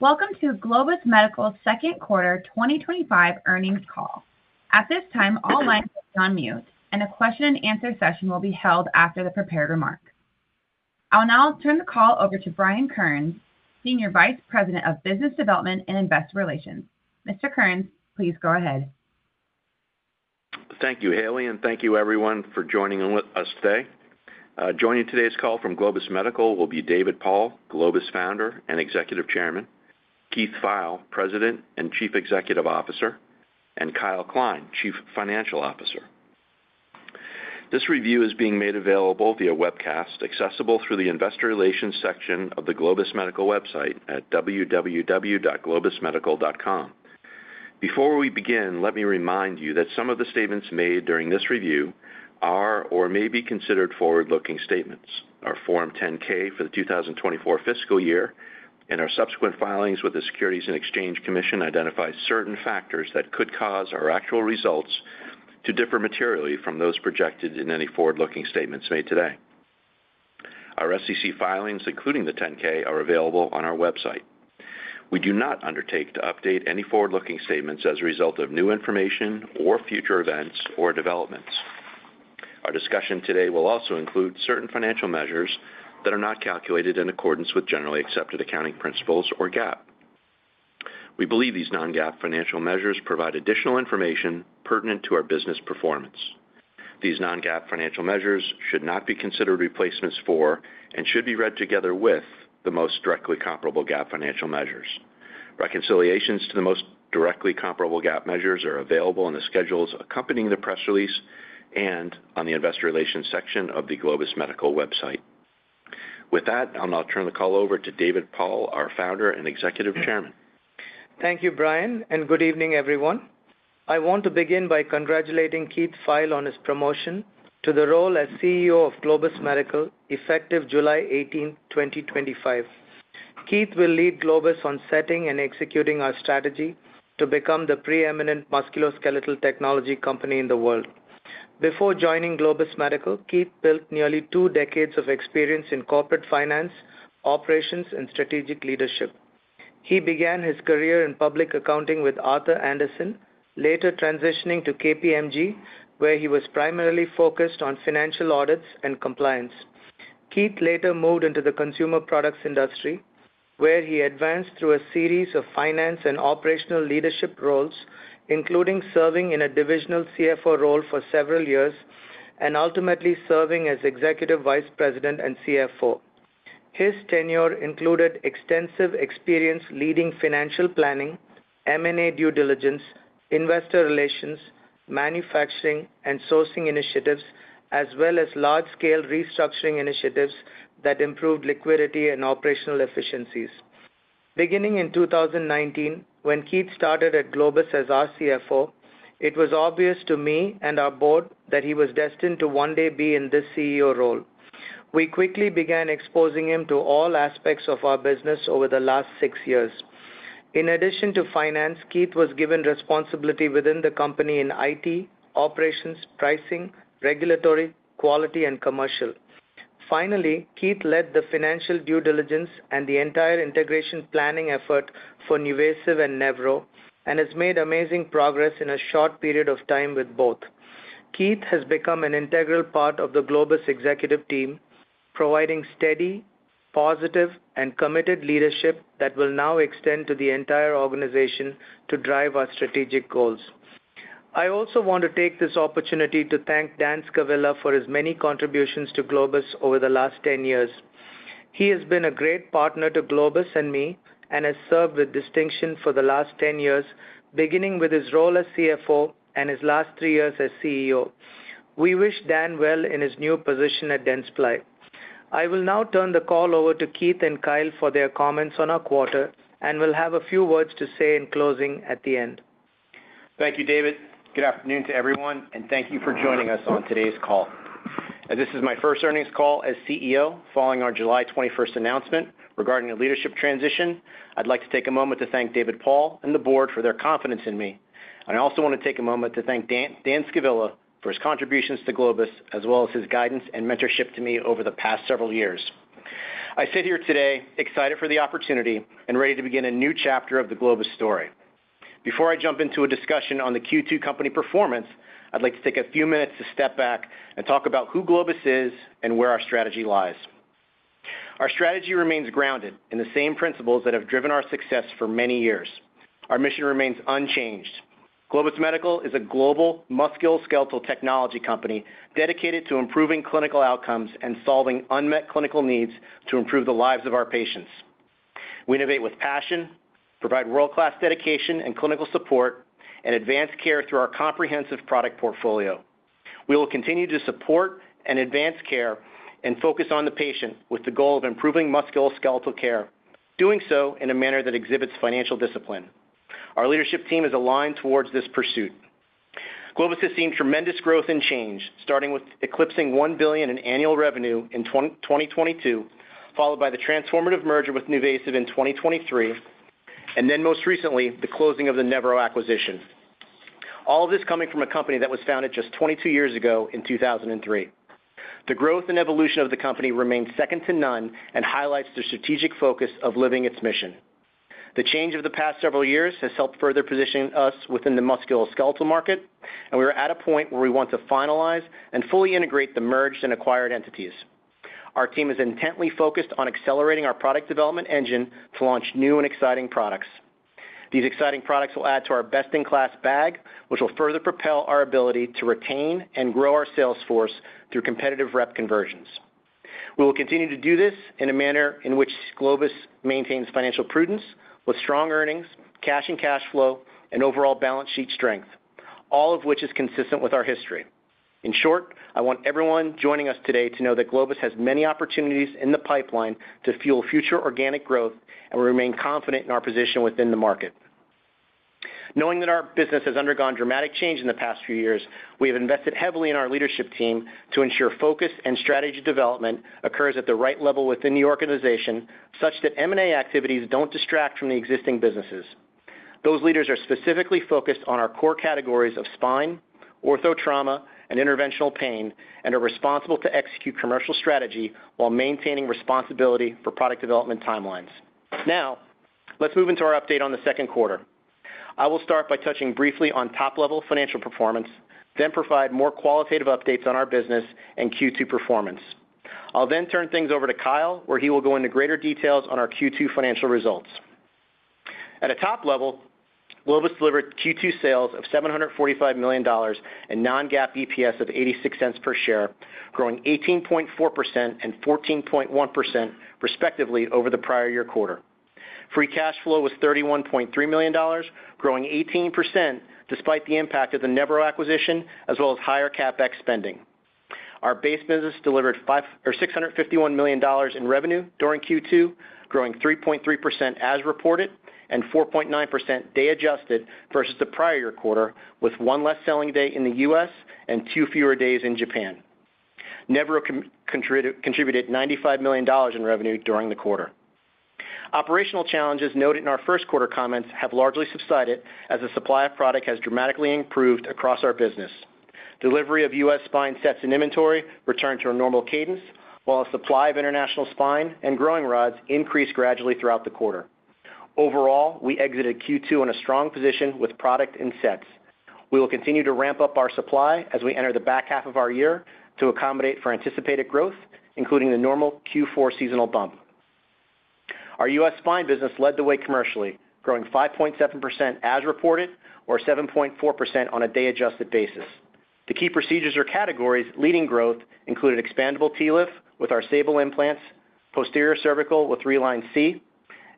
Welcome to Globus Medical's Second Quarter 2025 Earnings Call. At this time, all lines will be on mute, and a question and answer session will be held after the prepared remarks. I'll now turn the call over to Brian Kearns, Senior Vice President of Business Development and Investor Relations. Mr. Kearns, please go ahead. Thank you, Haley, and thank you, everyone, for joining us today. Joining today's call from Globus Medical will be David Paul, Globus' founder and Executive Chairman; Keith Pfeil, President and Chief Executive Officer; and Kyle Kline, Chief Financial Officer. This review is being made available via webcast, accessible through the Investor Relations section of the Globus Medical website at www.globusmedical.com. Before we begin, let me remind you that some of the statements made during this review are or may be considered forward-looking statements. Our Form 10-K for the 2024 fiscal year and our subsequent filings with the Securities and Exchange Commission identify certain factors that could cause our actual results to differ materially from those projected in any forward-looking statements made today. Our SEC filings, including the 10-K, are available on our website. We do not undertake to update any forward-looking statements as a result of new information or future events or developments. Our discussion today will also include certain financial measures that are not calculated in accordance with generally accepted accounting principles or GAAP. We believe these non-GAAP financial measures provide additional information pertinent to our business performance. These non-GAAP financial measures should not be considered replacements for and should be read together with the most directly comparable GAAP financial measures. Reconciliations to the most directly comparable GAAP measures are available in the schedules accompanying the press release and on the Investor Relations section of the Globus Medical website. With that, I'll now turn the call over to David Paul, our founder and Executive Chairman. Thank you, Brian, and good evening, everyone. I want to begin by congratulating Keith Pfeil on his promotion to the role as CEO of Globus Medical effective July 18, 2025. Keith will lead Globus on setting and executing our strategy to become the preeminent musculoskeletal technology company in the world. Before joining Globus Medical, Keith built nearly two decades of experience in corporate finance, operations, and strategic leadership. He began his career in public accounting with Arthur Andersen, later transitioning to KPMG, where he was primarily focused on financial audits and compliance. Keith later moved into the consumer products industry, where he advanced through a series of finance and operational leadership roles, including serving in a divisional CFO role for several years and ultimately serving as Executive Vice President and CFO. His tenure included extensive experience leading financial planning, M&A due diligence, investor relations, manufacturing, and sourcing initiatives, as well as large-scale restructuring initiatives that improved liquidity and operational efficiencies. Beginning in 2019, when Keith started at Globus as our CFO, it was obvious to me and our board that he was destined to one day be in this CEO role. We quickly began exposing him to all aspects of our business over the last six years. In addition to finance, Keith was given responsibility within the company in IT, operations, pricing, regulatory, quality, and commercial. Finally, Keith led the financial due diligence and the entire integration planning effort for NuVasive and Nevro and has made amazing progress in a short period of time with both. Keith has become an integral part of the Globus executive team, providing steady, positive, and committed leadership that will now extend to the entire organization to drive our strategic goals. I also want to take this opportunity to thank Dan Scavilla for his many contributions to Globus over the last 10 years. He has been a great partner to Globus and me and has served with distinction for the last 10 years, beginning with his role as CFO and his last three years as CEO. We wish Dan well in his new position at Dentsply. I will now turn the call over to Keith and Kyle for their comments on our quarter, and we'll have a few words to say in closing at the end. Thank you, David. Good afternoon to everyone, and thank you for joining us on today's call. As this is my first earnings call as CEO following our July 21st announcement regarding a leadership transition, I'd like to take a moment to thank David Paul and the Board for their confidence in me. I also want to take a moment to thank Dan Scavilla for his contributions to Globus, as well as his guidance and mentorship to me over the past several years. I sit here today excited for the opportunity and ready to begin a new chapter of the Globus story. Before I jump into a discussion on the Q2 company performance, I'd like to take a few minutes to step back and talk about who Globus is and where our strategy lies. Our strategy remains grounded in the same principles that have driven our success for many years. Our mission remains unchanged. Globus Medical is a global musculoskeletal technology company dedicated to improving clinical outcomes and solving unmet clinical needs to improve the lives of our patients. We innovate with passion, provide world-class dedication and clinical support, and advance care through our comprehensive product portfolio. We will continue to support and advance care and focus on the patient with the goal of improving musculoskeletal care, doing so in a manner that exhibits financial discipline. Our leadership team is aligned towards this pursuit. Globus has seen tremendous growth and change, starting with eclipsing $1 billion in annual revenue in 2022, followed by the transformative merger with NuVasive in 2023, and then most recently, the closing of the Nevro acquisition. All of this coming from a company that was founded just 22 years ago in 2003. The growth and evolution of the company remains second to none and highlights the strategic focus of living its mission. The change over the past several years has helped further position us within the musculoskeletal market, and we are at a point where we want to finalize and fully integrate the merged and acquired entities. Our team is intently focused on accelerating our product development engine to launch new and exciting products. These exciting products will add to our best-in-class bag, which will further propel our ability to retain and grow our sales force through competitive rep conversions. We will continue to do this in a manner in which Globus maintains financial prudence with strong earnings, cash and cash flow, and overall balance sheet strength, all of which is consistent with our history. In short, I want everyone joining us today to know that Globus has many opportunities in the pipeline to fuel future organic growth and remain confident in our position within the market. Knowing that our business has undergone dramatic change in the past few years, we have invested heavily in our leadership team to ensure focus and strategy development occur at the right level within the organization, such that M&A activities don't distract from the existing businesses. Those leaders are specifically focused on our core categories of spine, ortho trauma, and interventional pain, and are responsible to execute commercial strategy while maintaining responsibility for product development timelines. Now, let's move into our update on the second quarter. I will start by touching briefly on top-level financial performance, then provide more qualitative updates on our business and Q2 performance. I'll then turn things over to Kyle, where he will go into greater details on our Q2 financial results. At a top level, Globus delivered Q2 sales of $745 million and non-GAAP EPS of $0.86 per share, growing 18.4% and 14.1% respectively over the prior year quarter. Free cash flow was $31.3 million, growing 18% despite the impact of the Nevro acquisition, as well as higher CapEx spending. Our base business delivered $651 million in revenue during Q2, growing 3.3% as reported and 4.9% day adjusted versus the prior year quarter, with one less selling day in the U.S. and two fewer days in Japan. Nevro contributed $95 million in revenue during the quarter. Operational challenges noted in our first quarter comments have largely subsided as the supply of product has dramatically improved across our business. Delivery of U.S. spine sets in inventory returned to a normal cadence, while a supply of international spine and growing rods increased gradually throughout the quarter. Overall, we exited Q2 in a strong position with product and sets. We will continue to ramp up our supply as we enter the back half of our year to accommodate for anticipated growth, including the normal Q4 seasonal bump. Our U.S. spine business led the way commercially, growing 5.7% as reported or 7.4% on a day-adjusted basis. The key procedures or categories leading growth included expandable TLIF with our SABLE implants, posterior cervical with Reline C,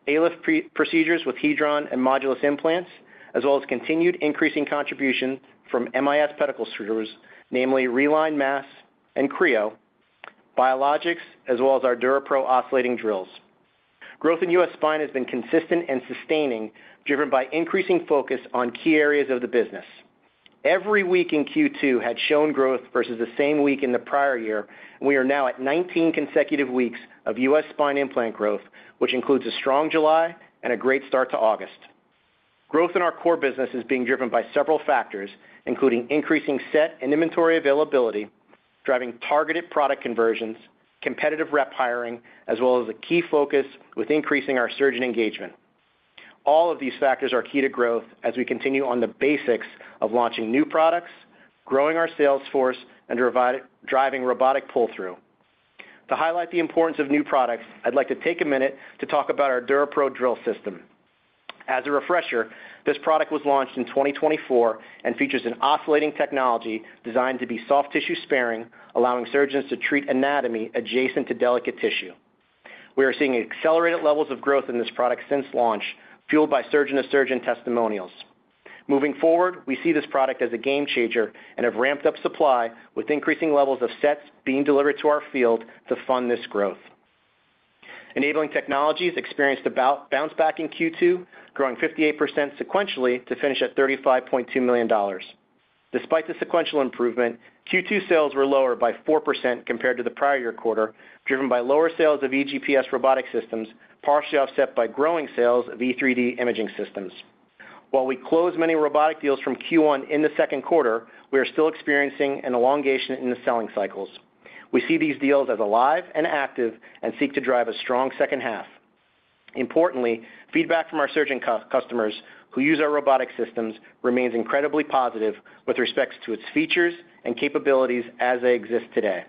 ALIF procedures with HEDRON and Modulus implants, as well as continued increasing contribution from MIS pedicle screws, namely Reline MAS and CREO, biologics, as well as our DuraPro oscillating drills. Growth in U.S. spine has been consistent and sustaining, driven by increasing focus on key areas of the business. Every week in Q2 had shown growth versus the same week in the prior year, and we are now at 19 consecutive weeks of U.S. spine implant growth, which includes a strong July and a great start to August. Growth in our core business is being driven by several factors, including increasing set and inventory availability, driving targeted product conversions, competitive rep hiring, as well as a key focus with increasing our surgeon engagement. All of these factors are key to growth as we continue on the basics of launching new products, growing our sales force, and driving robotic pull-through. To highlight the importance of new products, I'd like to take a minute to talk about our DuraPro oscillating drill system. As a refresher, this product was launched in 2024 and features an oscillating technology designed to be soft tissue sparing, allowing surgeons to treat anatomy adjacent to delicate tissue. We are seeing accelerated levels of growth in this product since launch, fueled by surgeon-to-surgeon testimonials. Moving forward, we see this product as a game changer and have ramped up supply with increasing levels of sets being delivered to our field to fund this growth. Enabling technologies experienced a bounce back in Q2, growing 58% sequentially to finish at $35.2 million. Despite the sequential improvement, Q2 sales were lower by 4% compared to the prior year quarter, driven by lower sales of EGPS robotic systems, partially offset by growing sales of E3D imaging systems. While we closed many robotic deals from Q1 in the second quarter, we are still experiencing an elongation in the selling cycles. We see these deals as alive and active and seek to drive a strong second half. Importantly, feedback from our surgeon customers who use our robotic systems remains incredibly positive with respect to its features and capabilities as they exist today.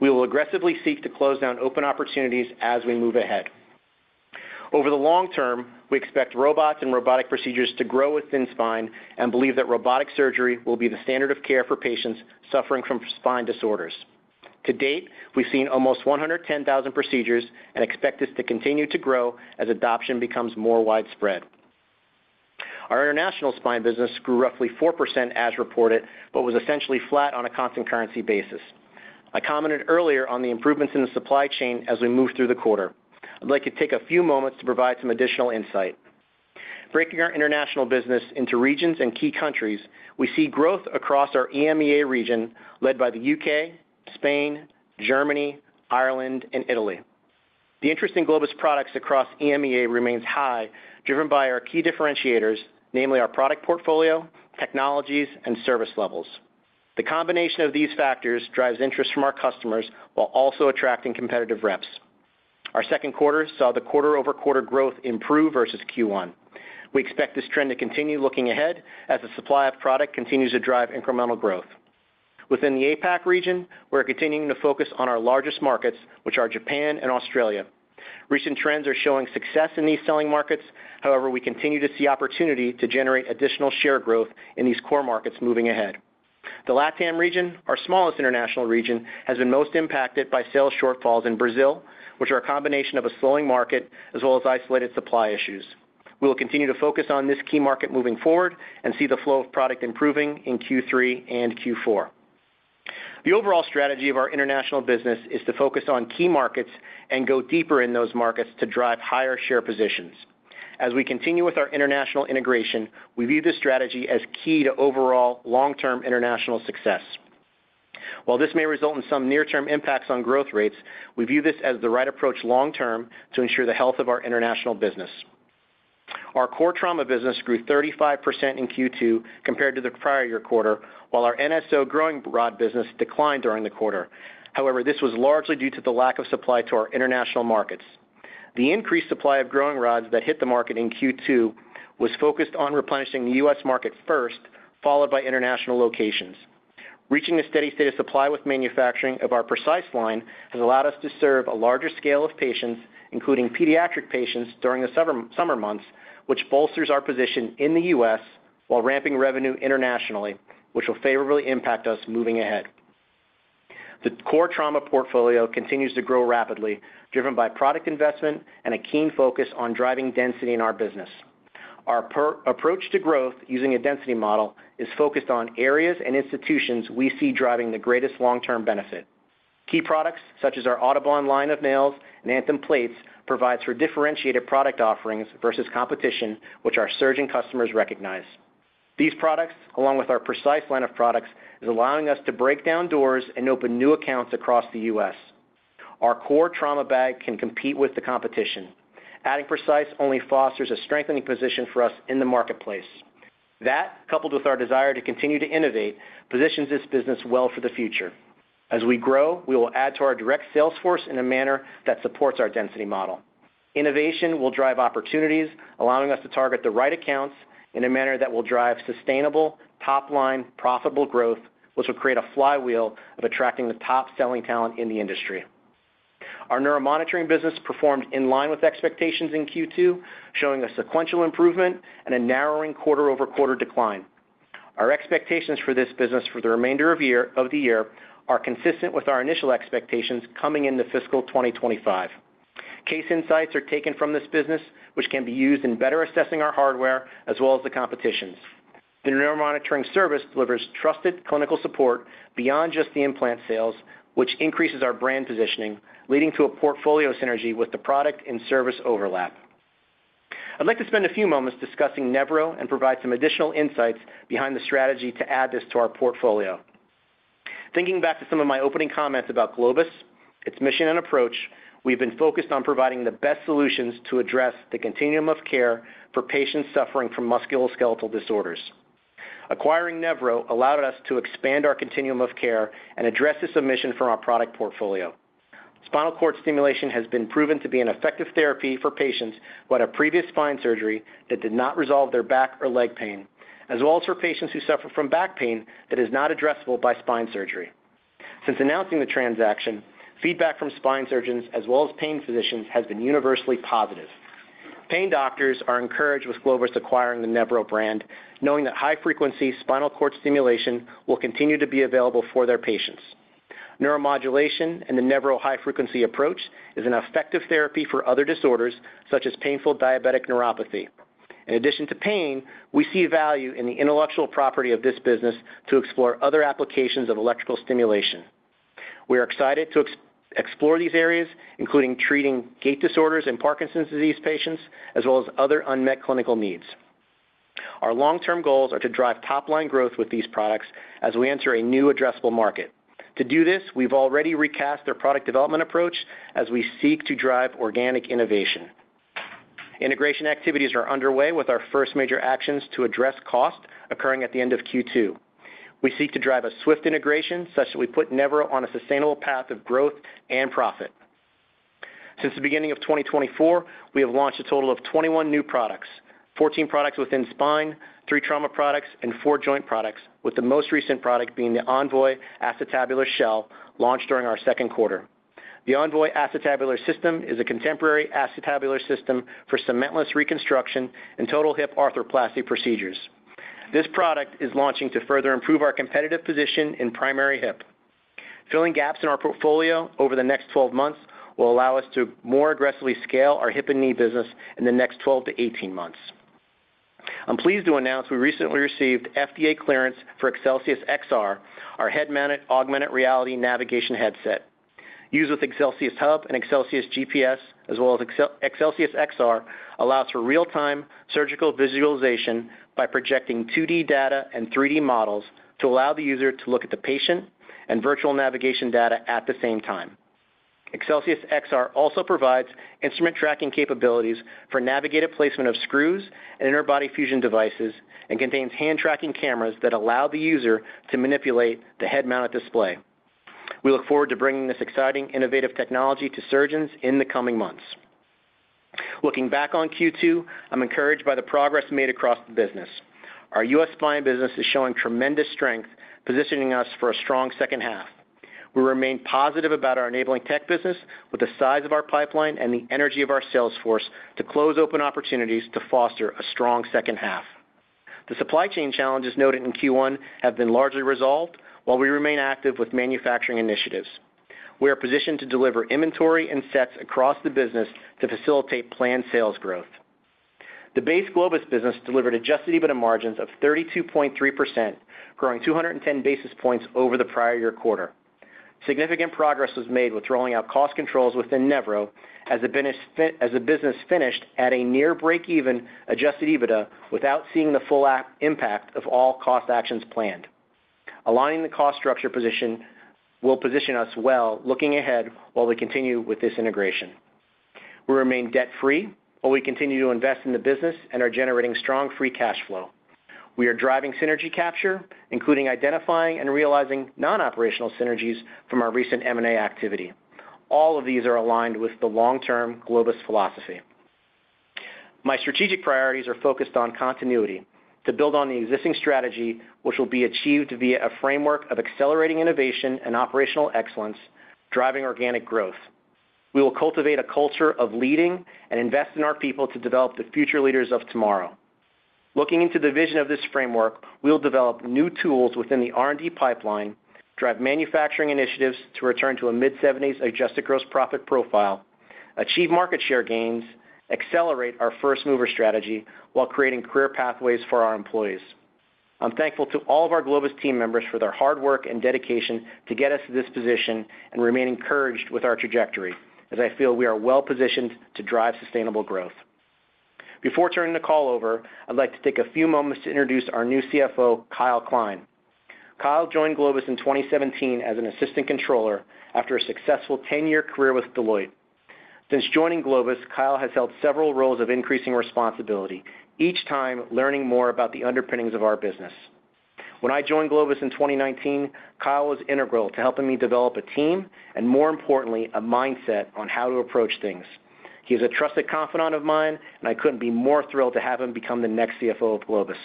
We will aggressively seek to close down open opportunities as we move ahead. Over the long term, we expect robots and robotic procedures to grow within spine and believe that robotic surgery will be the standard of care for patients suffering from spine disorders. To date, we've seen almost 110,000 procedures and expect this to continue to grow as adoption becomes more widespread. Our international spine business grew roughly 4% as reported, but was essentially flat on a constant currency basis. I commented earlier on the improvements in the supply chain as we move through the quarter. I'd like to take a few moments to provide some additional insight. Breaking our international business into regions and key countries, we see growth across our EMEA region led by the U.K., Spain, Germany, Ireland, and Italy. The interest in Globus products across EMEA remains high, driven by our key differentiators, namely our product portfolio, technologies, and service levels. The combination of these factors drives interest from our customers while also attracting competitive reps. Our second quarter saw the quarter-over-quarter growth improve versus Q1. We expect this trend to continue looking ahead as the supply of product continues to drive incremental growth. Within the APAC region, we're continuing to focus on our largest markets, which are Japan and Australia. Recent trends are showing success in these selling markets; however, we continue to see opportunity to generate additional share growth in these core markets moving ahead. The LatAm region, our smallest international region, has been most impacted by sales shortfalls in Brazil, which are a combination of a slowing market as well as isolated supply issues. We will continue to focus on this key market moving forward and see the flow of product improving in Q3 and Q4. The overall strategy of our international business is to focus on key markets and go deeper in those markets to drive higher share positions. As we continue with our international integration, we view this strategy as key to overall long-term international success. While this may result in some near-term impacts on growth rates, we view this as the right approach long-term to ensure the health of our international business. Our core trauma business grew 35% in Q2 compared to the prior year quarter, while our NSO growing rod business declined during the quarter. However, this was largely due to the lack of supply to our international markets. The increased supply of growing rods that hit the market in Q2 was focused on replenishing the U.S. market first, followed by international locations. Reaching a steady state of supply with manufacturing of our Precise line has allowed us to serve a larger scale of patients, including pediatric patients during the summer months, which bolsters our position in the U.S. while ramping revenue internationally, which will favorably impact us moving ahead. The core trauma portfolio continues to grow rapidly, driven by product investment and a keen focus on driving density in our business. Our approach to growth using a density model is focused on areas and institutions we see driving the greatest long-term benefit. Key products, such as our Audubon line of nails and ANTHEM plates, provide for differentiated product offerings versus competition, which our surgeon customers recognize. These products, along with our Precice line of products, are allowing us to break down doors and open new accounts across the U.S. Our core trauma bag can compete with the competition. Adding Precice only fosters a strengthening position for us in the marketplace. That, coupled with our desire to continue to innovate, positions this business well for the future. As we grow, we will add to our direct sales force in a manner that supports our density model. Innovation will drive opportunities, allowing us to target the right accounts in a manner that will drive sustainable, top-line profitable growth, which will create a flywheel of attracting the top selling talent in the industry. Our neuromonitoring business performed in line with expectations in Q2, showing a sequential improvement and a narrowing quarter-over-quarter decline. Our expectations for this business for the remainder of the year are consistent with our initial expectations coming into fiscal 2025. Case insights are taken from this business, which can be used in better assessing our hardware as well as the competition's. The neuromonitoring service delivers trusted clinical support beyond just the implant sales, which increases our brand positioning, leading to a portfolio synergy with the product and service overlap. I'd like to spend a few moments discussing Nevro and provide some additional insights behind the strategy to add this to our portfolio. Thinking back to some of my opening comments about Globus, its mission and approach, we've been focused on providing the best solutions to address the continuum of care for patients suffering from musculoskeletal disorders. Acquiring Nevro allowed us to expand our continuum of care and address this submission from our product portfolio. Spinal cord stimulation has been proven to be an effective therapy for patients who had a previous spine surgery that did not resolve their back or leg pain, as well as for patients who suffer from back pain that is not addressable by spine surgery. Since announcing the transaction, feedback from spine surgeons as well as pain physicians has been universally positive. Pain doctors are encouraged with Globus acquiring the Nevro brand, knowing that high-frequency spinal cord stimulation will continue to be available for their patients. Neuromodulation and the Nevro high-frequency approach is an effective therapy for other disorders such as painful diabetic neuropathy. In addition to pain, we see value in the intellectual property of this business to explore other applications of electrical stimulation. We are excited to explore these areas, including treating gait disorders in Parkinson's disease patients as well as other unmet clinical needs. Our long-term goals are to drive top-line growth with these products as we enter a new addressable market. To do this, we've already recast our product development approach as we seek to drive organic innovation. Integration activities are underway with our first major actions to address cost occurring at the end of Q2. We seek to drive a swift integration such that we put Nevro on a sustainable path of growth and profit. Since the beginning of 2024, we have launched a total of 21 new products: 14 products within spine, 3 trauma products, and 4 joint products, with the most recent product being the ONVOY acetabular shell launched during our second quarter. The ONVOY acetabular system is a contemporary acetabular system for cementless reconstruction and total hip arthroplasty procedures. This product is launching to further improve our competitive position in primary hip. Filling gaps in our portfolio over the next 12 months will allow us to more aggressively scale our hip and knee business in the next 12-18 months. I'm pleased to announce we recently received FDA clearance for Excelsius XR, our head-mounted augmented reality navigation headset. Used with ExcelsiusHub and ExcelsiusGPS, as well as Excelsius XR, allows for real-time surgical visualization by projecting 2D data and 3D models to allow the user to look at the patient and virtual navigation data at the same time. Excelsius XR also provides instrument tracking capabilities for navigative placement of screws and interbody fusion devices and contains hand tracking cameras that allow the user to manipulate the head-mounted display. We look forward to bringing this exciting innovative technology to surgeons in the coming months. Looking back on Q2, I'm encouraged by the progress made across the business. Our U.S. spine business is showing tremendous strength, positioning us for a strong second half. We remain positive about our enabling tech business with the size of our pipeline and the energy of our sales force to close open opportunities to foster a strong second half. The supply chain challenges noted in Q1 have been largely resolved, while we remain active with manufacturing initiatives. We are positioned to deliver inventory and sets across the business to facilitate planned sales growth. The base Globus business delivered adjusted EBITDA margins of 32.3%, growing 210 basis points over the prior year quarter. Significant progress was made with rolling out cost controls within Nevro as the business finished at a near break-even adjusted EBITDA without seeing the full impact of all cost actions planned. Aligning the cost structure position will position us well, looking ahead while we continue with this integration. We remain debt-free while we continue to invest in the business and are generating strong free cash flow. We are driving synergy capture, including identifying and realizing non-operational synergies from our recent M&A activity. All of these are aligned with the long-term Globus philosophy. My strategic priorities are focused on continuity to build on the existing strategy, which will be achieved via a framework of accelerating innovation and operational excellence, driving organic growth. We will cultivate a culture of leading and invest in our people to develop the future leaders of tomorrow. Looking into the vision of this framework, we'll develop new tools within the R&D pipeline, drive manufacturing initiatives to return to a mid-70s adjusted gross profit profile, achieve market share gains, and accelerate our first mover strategy while creating career pathways for our employees. I'm thankful to all of our Globus team members for their hard work and dedication to get us to this position and remain encouraged with our trajectory, as I feel we are well positioned to drive sustainable growth. Before turning the call over, I'd like to take a few moments to introduce our new CFO, Kyle Kline. Kyle joined Globus in 2017 as an Assistant Controller after a successful 10-year career with Deloitte. Since joining Globus, Kyle has held several roles of increasing responsibility, each time learning more about the underpinnings of our business. When I joined Globus in 2019, Kyle was integral to helping me develop a team and, more importantly, a mindset on how to approach things. He is a trusted confidant of mine, and I couldn't be more thrilled to have him become the next CFO of Globus.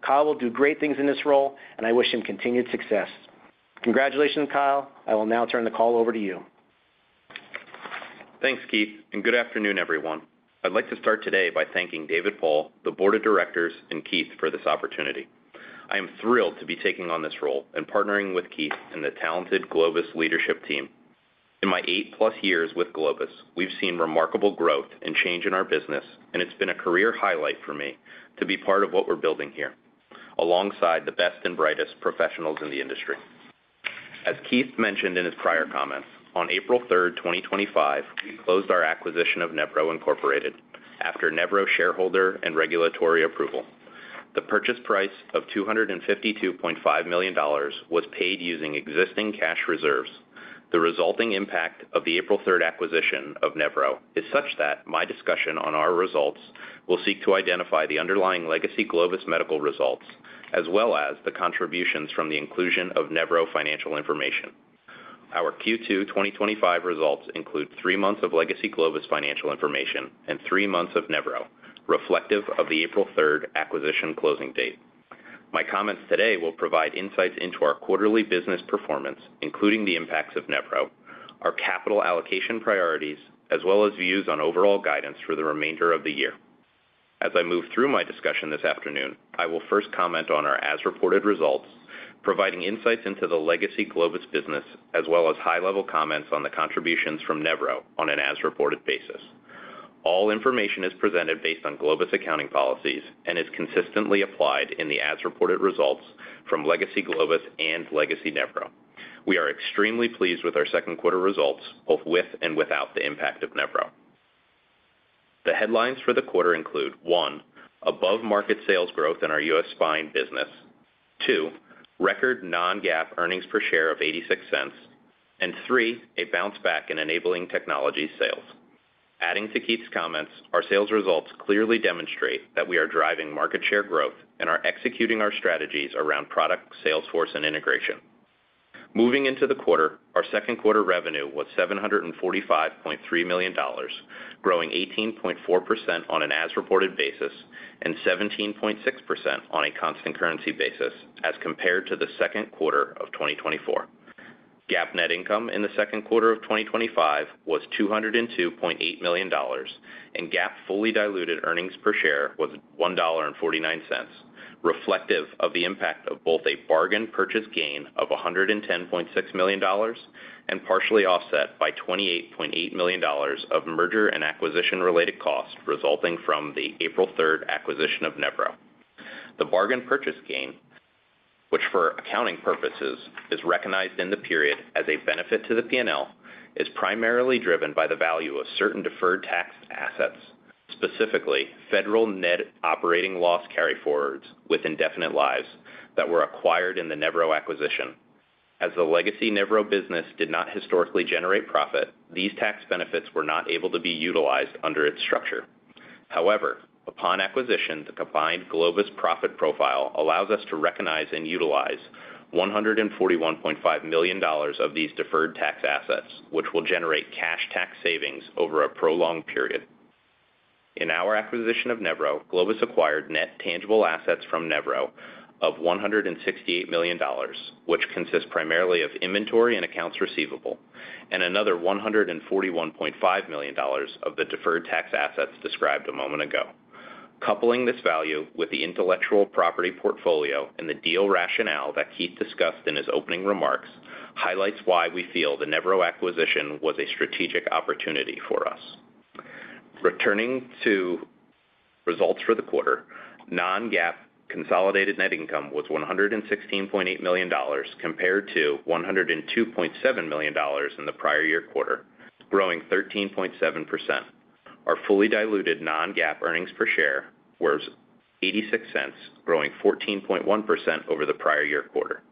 Kyle will do great things in this role, and I wish him continued success. Congratulations, Kyle. I will now turn the call over to you. Thanks, Keith, and good afternoon, everyone. I'd like to start today by thanking David Paul, the Board of Directors, and Keith for this opportunity. I am thrilled to be taking on this role and partnering with Keith and the talented Globus leadership team. In my 8+ years with Globus, we've seen remarkable growth and change in our business, and it's been a career highlight for me to be part of what we're building here alongside the best and brightest professionals in the industry. As Keith mentioned in his prior comments, on April 3rd, 2025, we closed our acquisition of Nevro Inc. after Nevro shareholder and regulatory approval. The purchase price of $252.5 million was paid using existing cash reserves. The resulting impact of the April 3rd acquisition of Nevro is such that my discussion on our results will seek to identify the underlying legacy Globus Medical results, as well as the contributions from the inclusion of Nevro financial information. Our Q2 2025 results include three months of legacy Globus financial information and three months of Nevro, reflective of the April 3rd acquisition closing date. My comments today will provide insights into our quarterly business performance, including the impacts of Nevro, our capital allocation priorities, as well as views on overall guidance for the remainder of the year. As I move through my discussion this afternoon, I will first comment on our as-reported results, providing insights into the legacy Globus business, as well as high-level comments on the contributions from Nevro on an as-reported basis. All information is presented based on Globus accounting policies and is consistently applied in the as-reported results from legacy Globus and legacy Nevro. We are extremely pleased with our second quarter results, both with and without the impact of Nevro. The headlines for the quarter include: one, above-market sales growth in our U.S. spine business; two, record non-GAAP earnings per share of $0.86; and three, a bounce back in enabling technology sales. Adding to Keith's comments, our sales results clearly demonstrate that we are driving market share growth and are executing our strategies around product, sales force, and integration. Moving into the quarter, our second quarter revenue was $745.3 million, growing 18.4% on an as-reported basis and 17.6% on a constant currency basis as compared to the second quarter of 2024. GAAP net income in the second quarter of 2025 was $202.8 million, and GAAP fully diluted earnings per share was $1.49, reflective of the impact of both a bargain purchase gain of $110.6 million and partially offset by $28.8 million of merger and acquisition-related costs resulting from the April 3rd acquisition of Nevro. The bargain purchase gain, which for accounting purposes is recognized in the period as a benefit to the P&L, is primarily driven by the value of certain deferred tax assets, specifically federal net operating loss carryforwards with indefinite lives that were acquired in the Nevro acquisition. As the legacy Nevro business did not historically generate profit, these tax benefits were not able to be utilized under its structure. However, upon acquisition, the combined Globus profit profile allows us to recognize and utilize $141.5 million of these deferred tax assets, which will generate cash tax savings over a prolonged period. In our acquisition of Nevro, Globus acquired net tangible assets from Nevro of $168 million, which consist primarily of inventory and accounts receivable, and another $141.5 million of the deferred tax assets described a moment ago. Coupling this value with the intellectual property portfolio and the deal rationale that Keith discussed in his opening remarks highlights why we feel the Nevro acquisition was a strategic opportunity for us. Returning to results for the quarter, non-GAAP consolidated net income was $116.8 million compared to $102.7 million in the prior year quarter, growing 13.7%. Our fully diluted non-GAAP EPS were $0.86, growing 14.1% over the prior year quarter.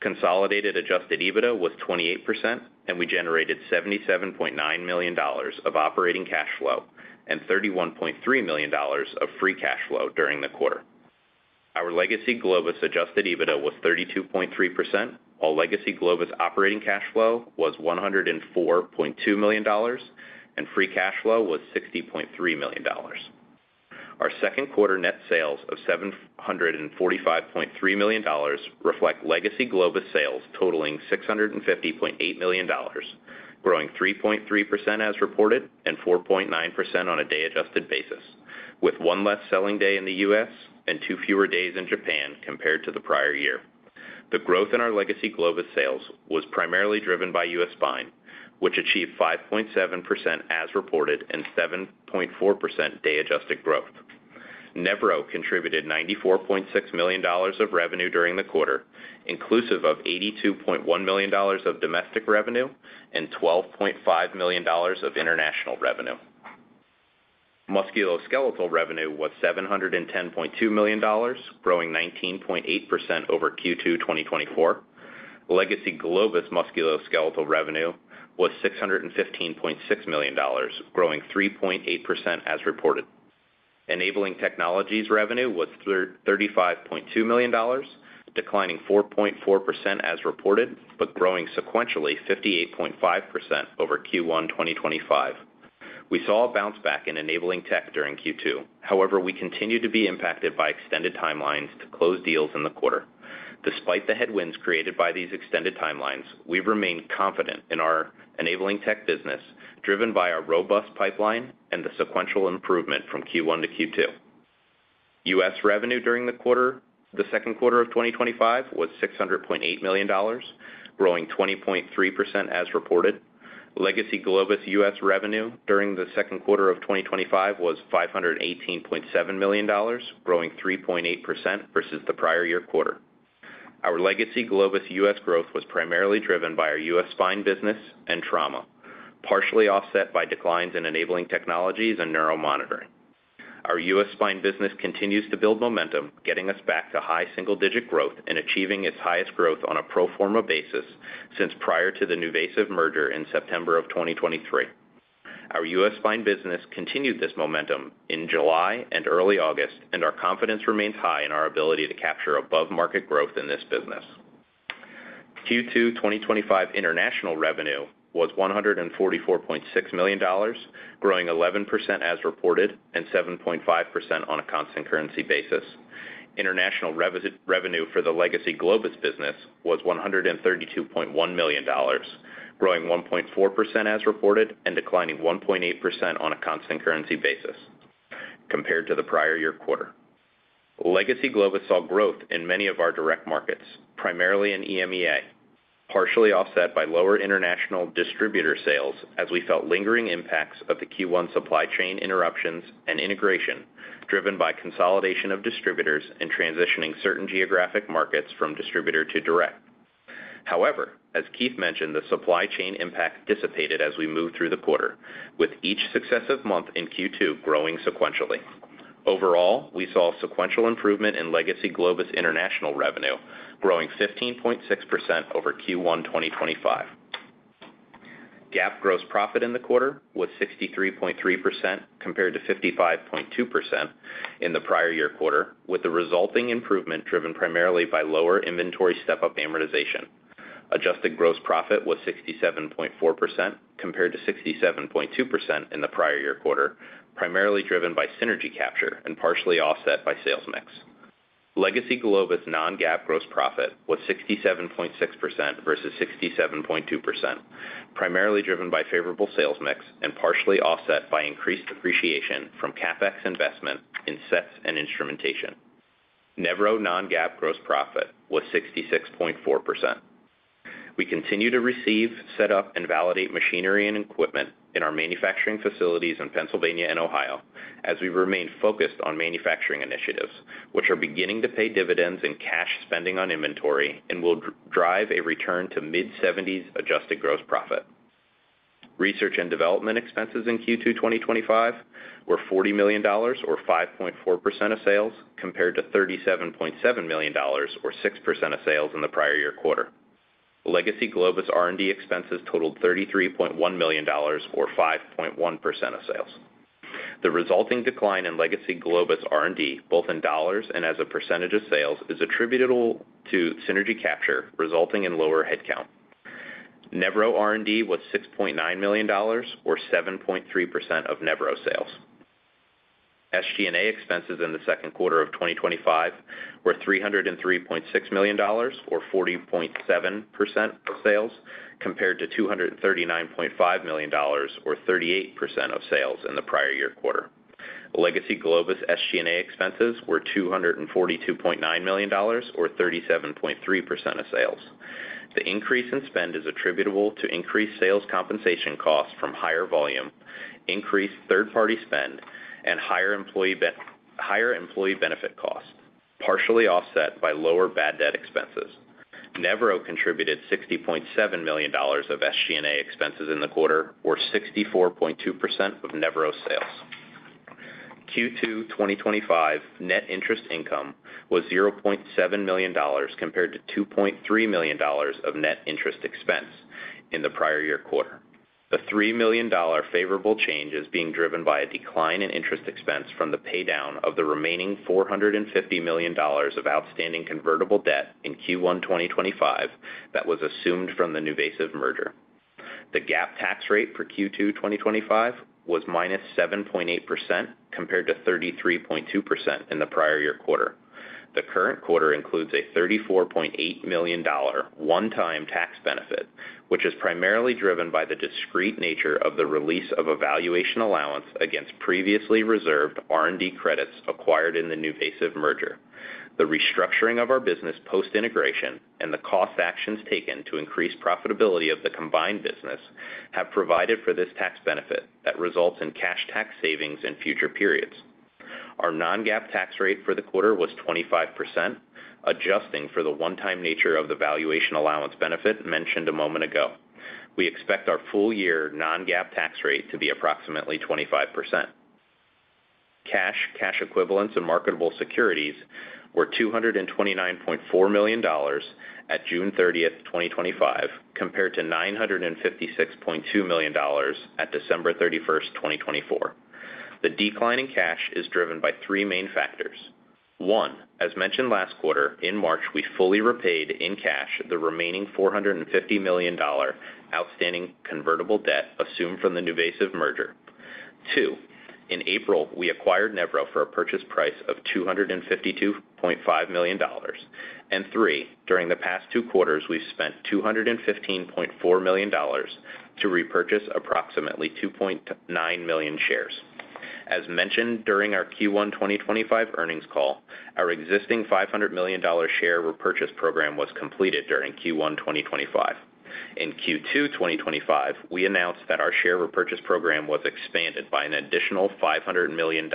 Consolidated adjusted EBITDA was 28%, and we generated $77.9 million of operating cash flow and $31.3 million of free cash flow during the quarter. Our legacy Globus adjusted EBITDA was 32.3%, while legacy Globus operating cash flow was $104.2 million, and free cash flow was $60.3 million. Our second quarter net sales of $745.3 million reflect legacy Globus sales totaling $650.8 million, growing 3.3% as reported and 4.9% on a day-adjusted basis, with one less selling day in the U.S. and two fewer days in Japan compared to the prior year. The growth in our legacy Globus sales was primarily driven by U.S. spine, which achieved 5.7% as reported and 7.4% day-adjusted growth. Nevro contributed $94.6 million of revenue during the quarter, inclusive of $82.1 million of domestic revenue and $12.5 million of international revenue. Musculoskeletal revenue was $710.2 million, growing 19.8% over Q2 2024. Legacy Globus musculoskeletal revenue was $615.6 million, growing 3.8% as reported. Enabling technologies revenue was $35.2 million, declining 4.4% as reported, but growing sequentially 58.5% over Q1 2025. We saw a bounce back in enabling tech during Q2. However, we continue to be impacted by extended timelines to close deals in the quarter. Despite the headwinds created by these extended timelines, we remain confident in our enabling tech business, driven by our robust pipeline and the sequential improvement from Q1 to Q2. U.S. revenue during the quarter, the second quarter of 2025, was $600.8 million, growing 20.3% as reported. Legacy Globus U.S. revenue during the second quarter of 2025 was $518.7 million, growing 3.8% versus the prior year quarter. Our legacy Globus U.S. growth was primarily driven by our U.S. spine business and trauma, partially offset by declines in enabling technologies and neuromonitoring. Our U.S. spine business continues to build momentum, getting us back to high single-digit growth and achieving its highest growth on a pro forma basis since prior to the NuVasive merger in September of 2023. Our U.S. spine business continued this momentum in July and early August, and our confidence remains high in our ability to capture above-market growth in this business. Q2 2025 international revenue was $144.6 million, growing 11% as reported and 7.5% on a constant currency basis. International revenue for the legacy Globus business was $132.1 million, growing 1.4% as reported and declining 1.8% on a constant currency basis compared to the prior year quarter. Legacy Globus saw growth in many of our direct markets, primarily in EMEA, partially offset by lower international distributor sales as we felt lingering impacts of the Q1 supply chain interruptions and integration driven by consolidation of distributors and transitioning certain geographic markets from distributor to direct. However, as Keith mentioned, the supply chain impact dissipated as we moved through the quarter, with each successive month in Q2 growing sequentially. Overall, we saw sequential improvement in legacy Globus international revenue, growing 15.6% over Q1 2025. GAAP gross profit in the quarter was 63.3% compared to 55.2% in the prior year quarter, with the resulting improvement driven primarily by lower inventory step-up amortization. Adjusted gross profit was 67.4% compared to 67.2% in the prior year quarter, primarily driven by synergy capture and partially offset by sales mix. Legacy Globus non-GAAP gross profit was 67.6% versus 67.2%, primarily driven by favorable sales mix and partially offset by increased depreciation from CapEx investment in sets and instrumentation. Nevro non-GAAP gross profit was 66.4%. We continue to receive, set up, and validate machinery and equipment in our manufacturing facilities in Pennsylvania and Ohio, as we remain focused on manufacturing initiatives, which are beginning to pay dividends and cash spending on inventory and will drive a return to mid-70s adjusted gross profit. Research and development expenses in Q2 2025 were $40 million, or 5.4% of sales, compared to $37.7 million, or 6% of sales in the prior year quarter. Legacy Globus R&D expenses totaled $33.1 million, or 5.1% of sales. The resulting decline in legacy Globus R&D, both in dollars and as a percentage of sales, is attributable to synergy capture, resulting in lower headcount. Nevro R&D was $6.9 million, or 7.3% of Nevro sales. SG&A expenses in the second quarter of 2025 were $303.6 million, or 40.7% of sales, compared to $239.5 million, or 38% of sales in the prior year quarter. Legacy Globus SG&A expenses were $242.9 million, or 37.3% of sales. The increase in spend is attributable to increased sales compensation costs from higher volume, increased third-party spend, and higher employee benefit costs, partially offset by lower bad debt expenses. Nevro contributed $60.7 million of SG&A expenses in the quarter, or 64.2% of Nevro sales. Q2 2025 net interest income was $0.7 million, compared to $2.3 million of net interest expense in the prior year quarter. The $3 million favorable change is being driven by a decline in interest expense from the paydown of the remaining $450 million of outstanding convertible debt in Q1 2025 that was assumed from the NuVasive merger. The GAAP tax rate per Q2 2025 was -7.8% compared to 33.2% in the prior year quarter. The current quarter includes a $34.8 million one-time tax benefit, which is primarily driven by the discrete nature of the release of a valuation allowance against previously reserved R&D credits acquired in the NuVasive merger. The restructuring of our business post-integration and the cost actions taken to increase profitability of the combined business have provided for this tax benefit that results in cash tax savings in future periods. Our non-GAAP tax rate for the quarter was 25%, adjusting for the one-time nature of the valuation allowance benefit mentioned a moment ago. We expect our full-year non-GAAP tax rate to be approximately 25%. Cash, cash equivalents, and marketable securities were $229.4 million at June 30th, 2025, compared to $956.2 million at December 31st, 2024. The decline in cash is driven by three main factors. One, as mentioned last quarter, in March, we fully repaid in cash the remaining $450 million outstanding convertible debt assumed from the NuVasive merger. Two, in April, we acquired Nevro for a purchase price of $252.5 million. Three, during the past two quarters, we've spent $215.4 million to repurchase approximately 2.9 million shares. As mentioned during our Q1 2025 earnings call, our existing $500 million share repurchase program was completed during Q1 2025. In Q2 2025, we announced that our share repurchase program was expanded by an additional $500 million.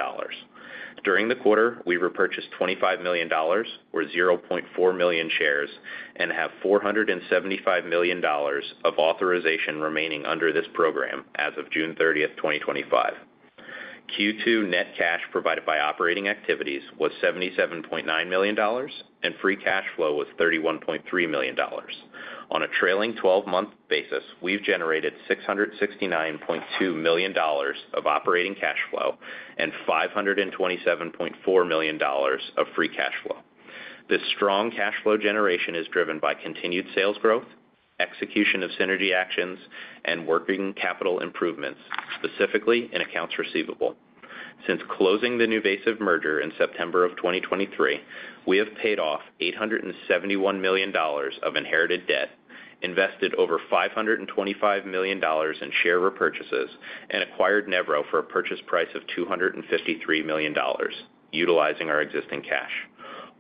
During the quarter, we repurchased $25 million, or 0.4 million shares, and have $475 million of authorization remaining under this program as of June 30th, 2025. Q2 net cash provided by operating activities was $77.9 million, and free cash flow was $31.3 million. On a trailing 12-month basis, we've generated $669.2 million of operating cash flow and $527.4 million of free cash flow. This strong cash flow generation is driven by continued sales growth, execution of synergy actions, and working capital improvements, specifically in accounts receivable. Since closing the NuVasive merger in September of 2023, we have paid off $871 million of inherited debt, invested over $525 million in share repurchases, and acquired Nevro for a purchase price of $253 million, utilizing our existing cash.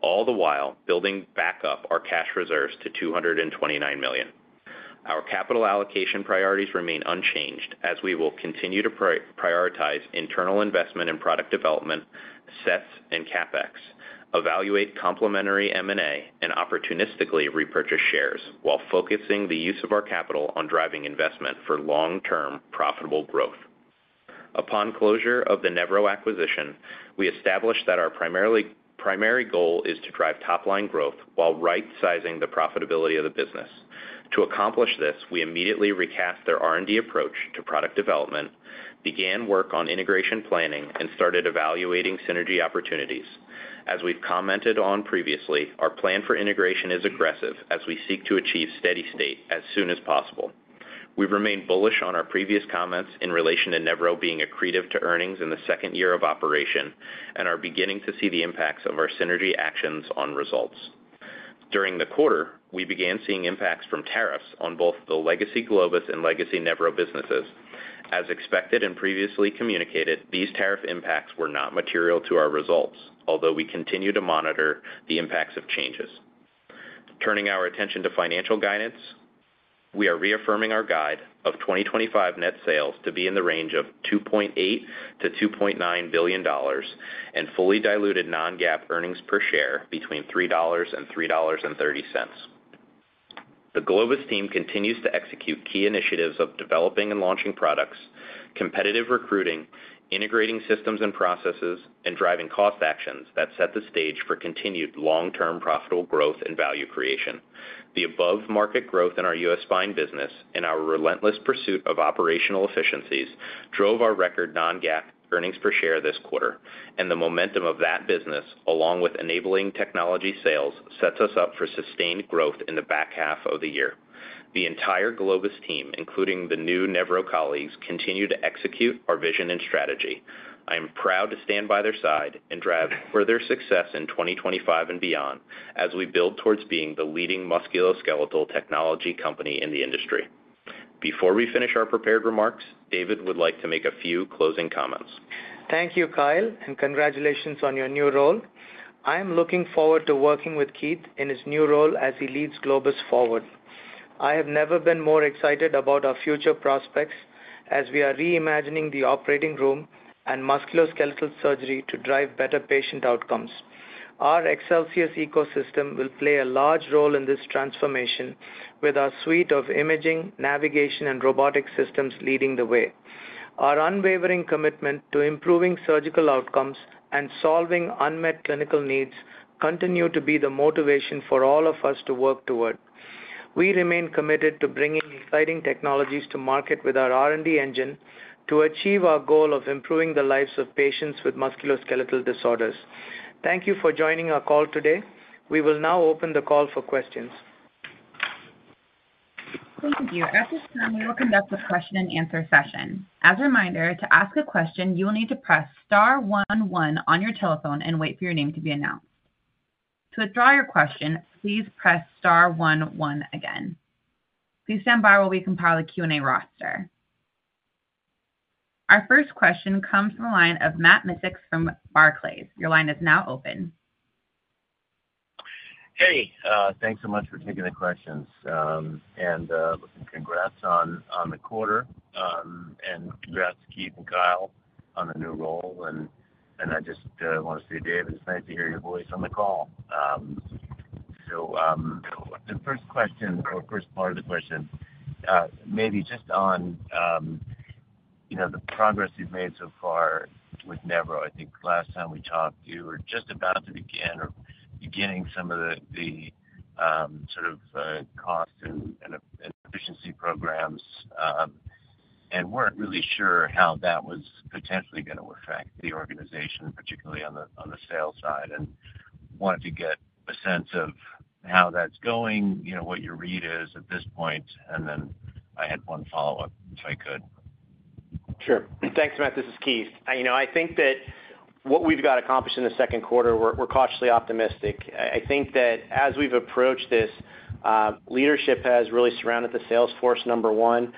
All the while, building back up our cash reserves to $229 million. Our capital allocation priorities remain unchanged as we will continue to prioritize internal investment in product development, sets, and CapEx, evaluate complementary M&A, and opportunistically repurchase shares while focusing the use of our capital on driving investment for long-term profitable growth. Upon closure of the Nevro acquisition, we established that our primary goal is to drive top-line growth while right-sizing the profitability of the business. To accomplish this, we immediately recast their R&D approach to product development, began work on integration planning, and started evaluating synergy opportunities. As we've commented on previously, our plan for integration is aggressive as we seek to achieve steady state as soon as possible. We've remained bullish on our previous comments in relation to Nevro being accretive to earnings in the second year of operation and are beginning to see the impacts of our synergy actions on results. During the quarter, we began seeing impacts from tariffs on both the legacy Globus and legacy Nevro businesses. As expected and previously communicated, these tariff impacts were not material to our results, although we continue to monitor the impacts of changes. Turning our attention to financial guidance, we are reaffirming our guide of 2025 net sales to be in the range of $2.8 billion-$2.9 billion and fully diluted non-GAAP earnings per share between $3 and $3.30. The Globus team continues to execute key initiatives of developing and launching products, competitive recruiting, integrating systems and processes, and driving cost actions that set the stage for continued long-term profitable growth and value creation. The above-market growth in our U.S. spine business and our relentless pursuit of operational efficiencies drove our record non-GAAP earnings per share this quarter, and the momentum of that business, along with enabling technology sales, sets us up for sustained growth in the back half of the year. The entire Globus team, including the new Nevro colleagues, continue to execute our vision and strategy. I am proud to stand by their side and drive further success in 2025 and beyond as we build towards being the leading musculoskeletal technology company in the industry. Before we finish our prepared remarks, David would like to make a few closing comments. Thank you, Kyle, and congratulations on your new role. I am looking forward to working with Keith in his new role as he leads Globus forward. I have never been more excited about our future prospects as we are reimagining the operating room and musculoskeletal surgery to drive better patient outcomes. Our Excelsius ecosystem will play a large role in this transformation with our suite of imaging, navigation, and robotic systems leading the way. Our unwavering commitment to improving surgical outcomes and solving unmet clinical needs continues to be the motivation for all of us to work toward. We remain committed to bringing exciting technologies to market with our R&D engine to achieve our goal of improving the lives of patients with musculoskeletal disorders. Thank you for joining our call today. We will now open the call for questions. [Ladies and gentlemen] we will conduct the question and answer session. As a reminder, to ask a question, you will need to press star one one on your telephone and wait for your name to be announced. To withdraw your question, please press star one one again. Please stand by while we compile the Q&A roster. Our first question comes from a line of Matt Miksic from Barclays. Your line is now open. Hey, thanks so much for taking the questions. Congrats on the quarter and congrats to Keith and Kyle on the new role. I just want to say, David, it's nice to hear your voice on the call. The first question, or first part of the question, maybe just on the progress you've made so far with Nevro. I think last time we talked, you were just about to begin or beginning some of the sort of cost and efficiency programs and weren't really sure how that was potentially going to affect the organization, particularly on the sales side, and wanted to get a sense of how that's going, you know what your read is at this point. I had one follow-up if I could. Sure. Thanks, Matt. This is Keith. I think that what we've got accomplished in the second quarter, we're cautiously optimistic. I think that as we've approached this, leadership has really surrounded the sales force, number one.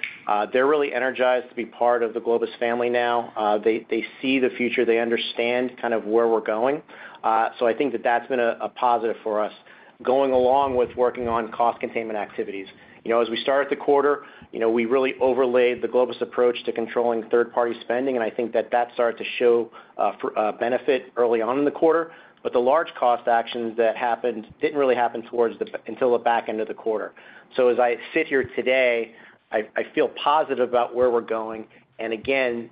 They're really energized to be part of the Globus family now. They see the future. They understand kind of where we're going. I think that that's been a positive for us, going along with working on cost containment activities. As we started the quarter, we really overlaid the Globus approach to controlling third-party spending, and I think that that started to show a benefit early on in the quarter. The large cost actions that happened didn't really happen until the back end of the quarter. As I sit here today, I feel positive about where we're going.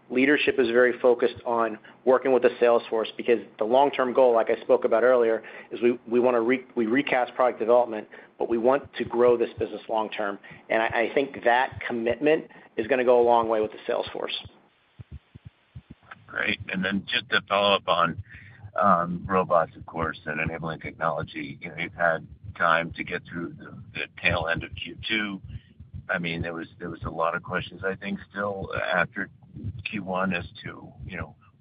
Leadership is very focused on working with the sales force because the long-term goal, like I spoke about earlier, is we recast product development, but we want to grow this business long-term. I think that commitment is going to go a long way with the sales force. Great. Just to follow up on robots, of course, and enabling technology, you've had time to get through the tail end of Q2. There was a lot of questions, I think, still after Q1 as to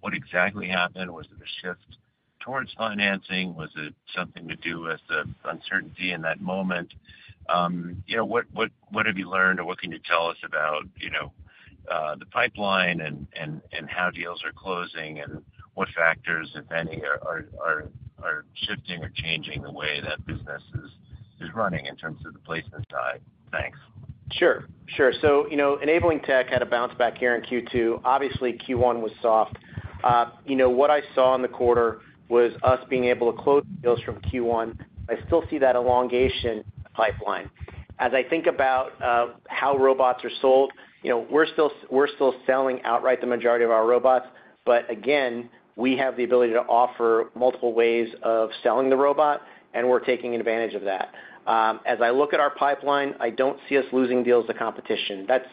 what exactly happened. Was it a shift towards financing? Was it something to do with the uncertainty in that moment? What have you learned or what can you tell us about the pipeline and how deals are closing and what factors, if any, are shifting or changing the way that business is running in terms of the placement side? Thanks. Sure. Enabling tech had a bounce back here in Q2. Obviously, Q1 was soft. What I saw in the quarter was us being able to close deals from Q1. I still see that elongation pipeline. As I think about how robots are sold, we're still selling outright the majority of our robots. We have the ability to offer multiple ways of selling the robot, and we're taking advantage of that. As I look at our pipeline, I don't see us losing deals to competition. That's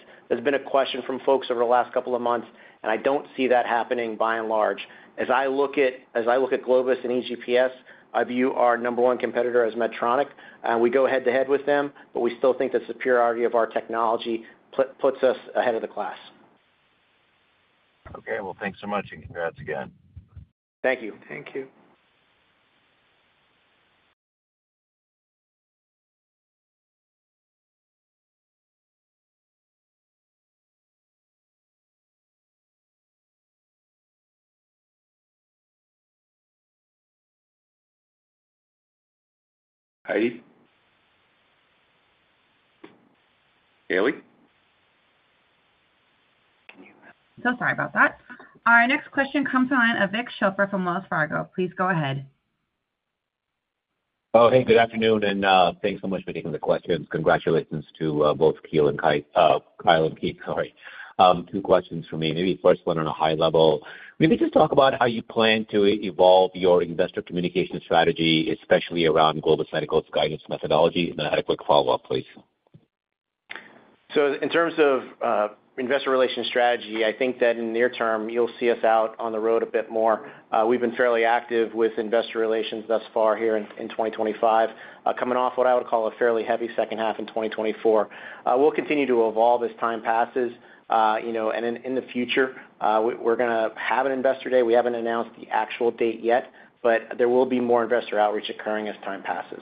been a question from folks over the last couple of months, and I don't see that happening by and large. As I look at Globus and EGPS, I view our number one competitor as Medtronic. We go head-to-head with them, but we still think that the superiority of our technology puts us ahead of the class. Okay. Thanks so much and congrats again. Thank you. Thank you. Haley? Sorry about that. Our next question comes from a line of Vik Chopra from Wells Fargo. Please go ahead. Oh, hey, good afternoon, and thanks so much for taking the questions. Congratulations to both Kyle and Keith. Two questions from me. Maybe the first one on a high level. Maybe just talk about how you plan to evolve your investor communication strategy, especially around Globus Medical's guidance methodology. I had a quick follow-up, please. In terms of investor relations strategy, I think that in the near term, you'll see us out on the road a bit more. We've been fairly active with investor relations thus far here in 2025, coming off what I would call a fairly heavy second half in 2024. We'll continue to evolve as time passes. You know, in the future, we're going to have an investor day. We haven't announced the actual date yet, but there will be more investor outreach occurring as time passes.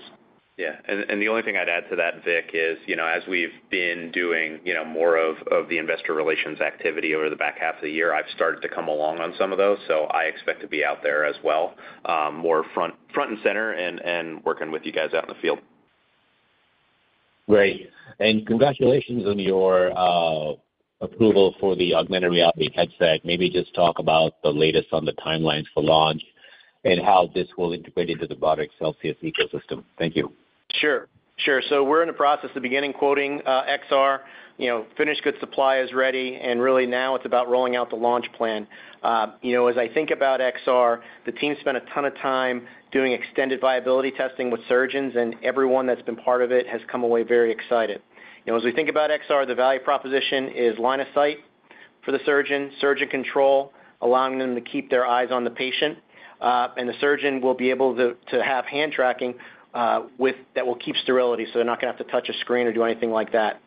Yeah. The only thing I'd add to that, Vic, is as we've been doing more of the investor relations activity over the back half of the year, I've started to come along on some of those. I expect to be out there as well, more front and center and working with you guys out in the field. Great. Congratulations on your approval for the augmented reality headset. Maybe just talk about the latest on the timelines for launch and how this will integrate into the broader Excelsius ecosystem. Thank you. Sure. We're in the process of beginning quoting XR. Finished good supply is ready, and really now it's about rolling out the launch plan. As I think about XR, the team spent a ton of time doing extended viability testing with surgeons, and everyone that's been part of it has come away very excited. As we think about XR, the value proposition is line of sight for the surgeon, surgeon control, allowing them to keep their eyes on the patient, and the surgeon will be able to have hand tracking that will keep sterility. They're not going to have to touch a screen or do anything like that.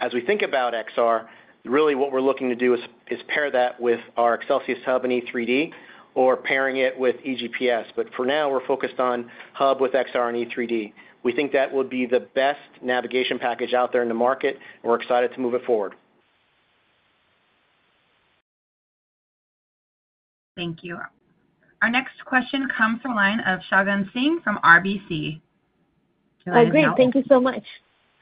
As we think about XR, really what we're looking to do is pair that with our ExcelsiusHub in E3D or pairing it with EGPS. For now, we're focused on Hub with XR in E3D. We think that will be the best navigation package out there in the market, and we're excited to move it forward. Thank you. Our next question comes from a line of Shagun Singh from RBC. Hi, great. Thank you so much.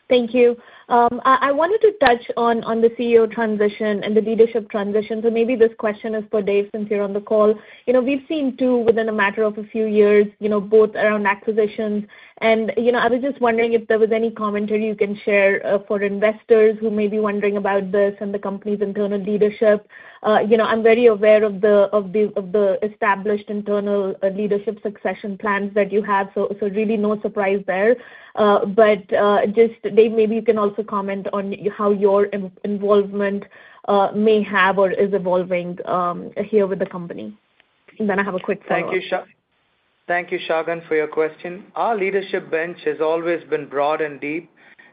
Thank you. I wanted to touch on the CEO transition and the leadership transition. Maybe this question is for Dave since you're on the call. We've seen two within a matter of a few years, both around acquisitions. I was just wondering if there was any commentary you can share for investors who may be wondering about this and the company's internal leadership. I'm very aware of the established internal leadership succession plans that you have, so really no surprise there. Dave, maybe you can also comment on how your involvement may have or is evolving here with the company. I have a quick second. Thank you, Shagun, for your question. Our leadership bench has always been broad and deep,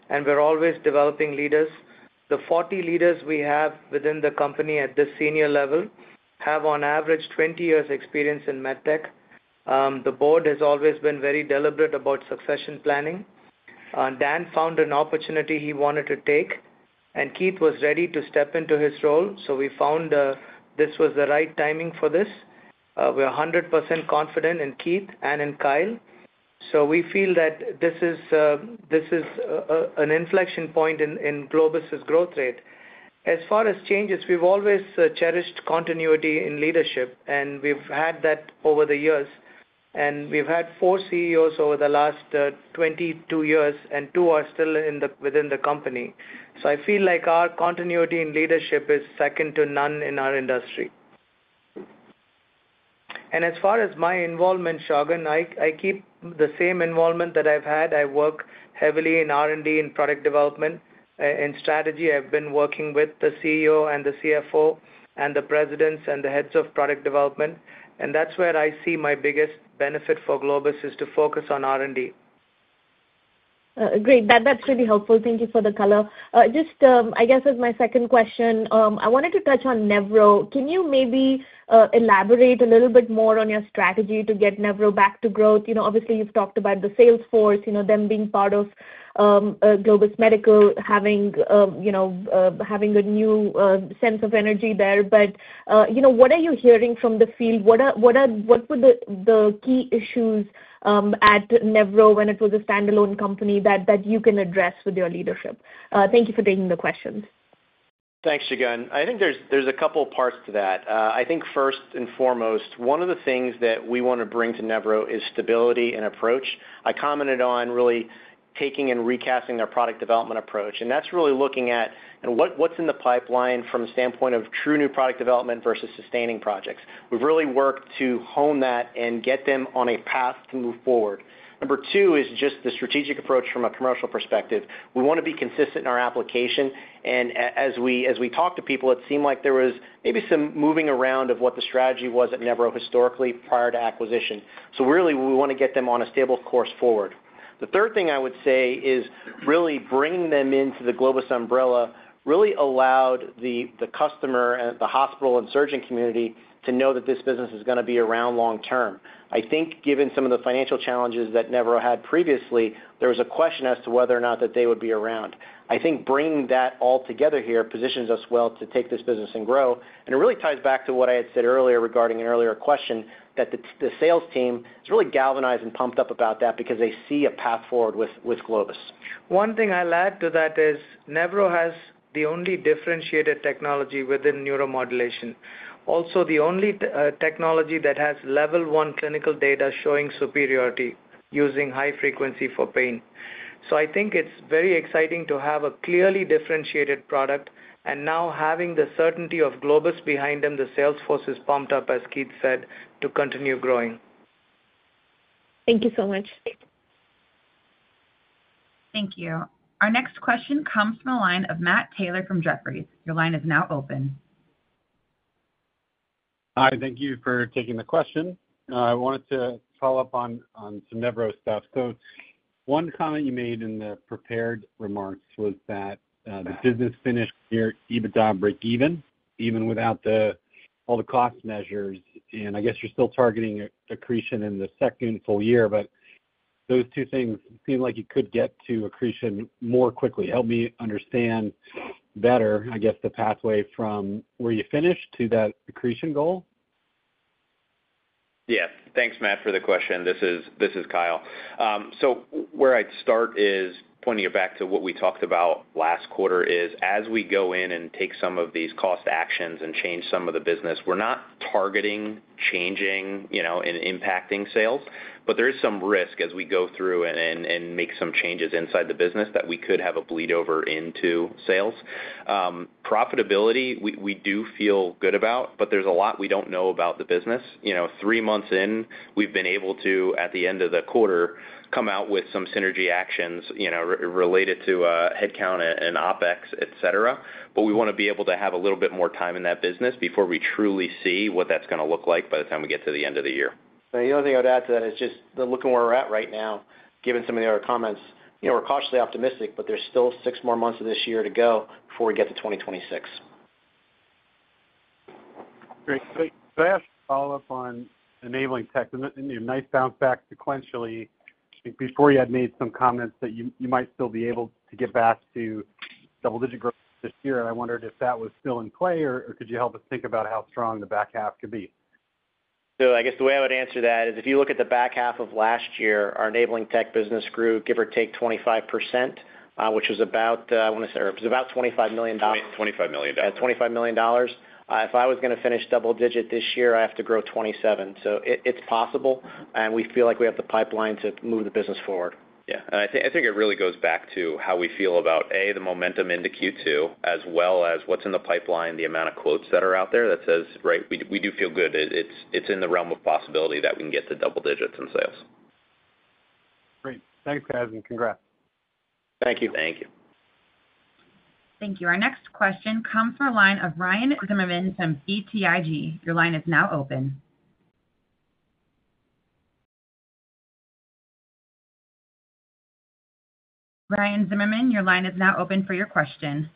and we're always developing leaders. The 40 leaders we have within the company at the senior level have on average 20 years of experience in med tech. The board has always been very deliberate about succession planning. Dan found an opportunity he wanted to take, and Keith was ready to step into his role. We found this was the right timing for this. We're 100% confident in Keith and in Kyle. We feel that this is an inflection point in Globus' growth rate. As far as changes, we've always cherished continuity in leadership, and we've had that over the years. We've had four CEOs over the last 22 years, and two are still within the company. I feel like our continuity in leadership is second to none in our industry. As far as my involvement, Shagun, I keep the same involvement that I've had. I work heavily in R&D and product development and strategy. I've been working with the CEO and the CFO and the presidents and the heads of product development. That's where I see my biggest benefit for Globus is to focus on R&D. Great. That's really helpful. Thank you for the color. As my second question, I wanted to touch on Nevro. Can you maybe elaborate a little bit more on your strategy to get Nevro back to growth? Obviously, you've talked about the sales force, them being part of Globus Medical, having a new sense of energy there. What are you hearing from the field? What are the key issues at Nevro when it was a standalone company that you can address with your leadership? Thank you for taking the question. Thanks, Shagun. I think there's a couple of parts to that. I think first and foremost, one of the things that we want to bring to Nevro is stability and approach. I commented on really taking and recasting our product development approach. That's really looking at what's in the pipeline from the standpoint of true new product development versus sustaining projects. We've really worked to hone that and get them on a path to move forward. Number two is just the strategic approach from a commercial perspective. We want to be consistent in our application. As we talk to people, it seemed like there was maybe some moving around of what the strategy was at Nevro historically prior to acquisition. Really, we want to get them on a stable course forward. The third thing I would say is really bringing them into the Globus umbrella really allowed the customer and the hospital and surgeon community to know that this business is going to be around long term. I think given some of the financial challenges that Nevro had previously, there was a question as to whether or not they would be around. I think bringing that all together here positions us well to take this business and grow. It really ties back to what I had said earlier regarding an earlier question that the sales team is really galvanized and pumped up about that because they see a path forward with Globus. One thing I'll add to that is Nevro has the only differentiated technology within neuromodulation. Also, the only technology that has level one clinical data showing superiority using high frequency for pain. I think it's very exciting to have a clearly differentiated product and now having the certainty of Globus behind them. The sales force is pumped up, as Keith said, to continue growing. Thank you so much. Thank you. Our next question comes from a line of Matt Taylor from Jefferies. Your line is now open. Hi, thank you for taking the question. I wanted to follow up on some Nevro stuff. One comment you made in the prepared remarks was that the business finished near EBITDA breakeven, even without all the cost measures. I guess you're still targeting accretion in the second full year, but those two things seem like you could get to accretion more quickly. Help me understand better, I guess, the pathway from where you finished to that accretion goal. Yes, thanks, Matt, for the question. This is Kyle. Where I'd start is pointing it back to what we talked about last quarter. As we go in and take some of these cost actions and change some of the business, we're not targeting changing and impacting sales, but there is some risk as we go through and make some changes inside the business that we could have a bleed over into sales. Profitability, we do feel good about, but there's a lot we don't know about the business. Three months in, we've been able to, at the end of the quarter, come out with some synergy actions related to headcount and OpEx, et cetera. We want to be able to have a little bit more time in that business before we truly see what that's going to look like by the time we get to the end of the year. The only thing I'd add to that is just looking where we're at right now, given some of the other comments, we're cautiously optimistic, but there's still six more months of this year to go before we get to 2026. Great. Could I ask a follow-up on enabling tech? A nice bounce back sequentially. I think before you had made some comments that you might still be able to get back to double-digit growth this year. I wondered if that was still in play or could you help us think about how strong the back half could be? I guess the way I would answer that, If you look at the back half of last year, our enabling tech business grew, give or take, 25%, which was about, I want to say, it was about $25 million. $25 million. $25 million. If I was going to finish double-digit this year, I have to grow 27. It's possible, and we feel like we have the pipeline to move the business forward. I think it really goes back to how we feel about, A, the momentum into Q2, as well as what's in the pipeline, the amount of quotes that are out there that says, right, we do feel good. It's in the realm of possibility that we can get to double digits in sales. Great. Thanks, guys, and congrats. Thank you. Thank you. Thank you. Our next question comes from a line of Ryan Zimmerman from BTIG. Your line is now open. Ryan Zimmerman, your line is now open for your question.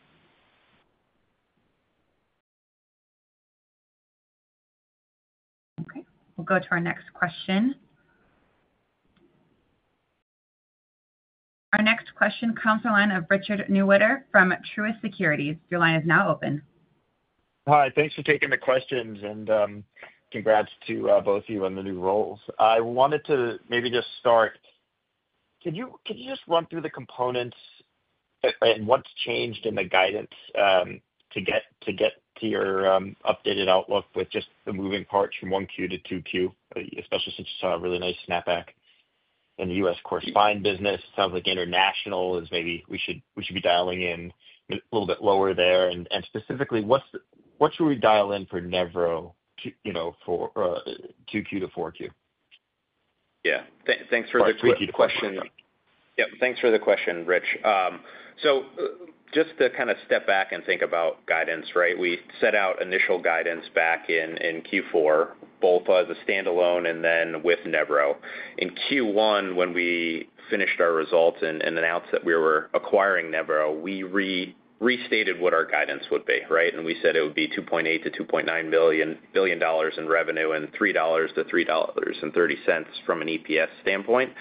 Okay. We'll go to our next question. Our next question comes from the line of Richard Newitter from Truist Securities. Your line is now open. Hi, thanks for taking the questions and congrats to both of you on the new roles. I wanted to maybe just start. Could you just run through the components and what's changed in the guidance to get to your updated outlook with just the moving parts from 1Q to 2Q, especially since you saw a really nice snapback in the U.S. corresponding business? It sounds like international is maybe we should be dialing in a little bit lower there. Specifically, what should we dial in for Nevro for 2Q-4Q? Yeah, thanks for the question. Thanks for the question, Rich. Just to kind of step back and think about guidance, right, we set out initial guidance back in Q4, both as a standalone and then with Nevro. In Q1, when we finished our results and announced that we were acquiring Nevro, we restated what our guidance would be, right? We said it would be $2.8 billion-$2.9 billion in revenue and $3-$3.30 from an EPS standpoint.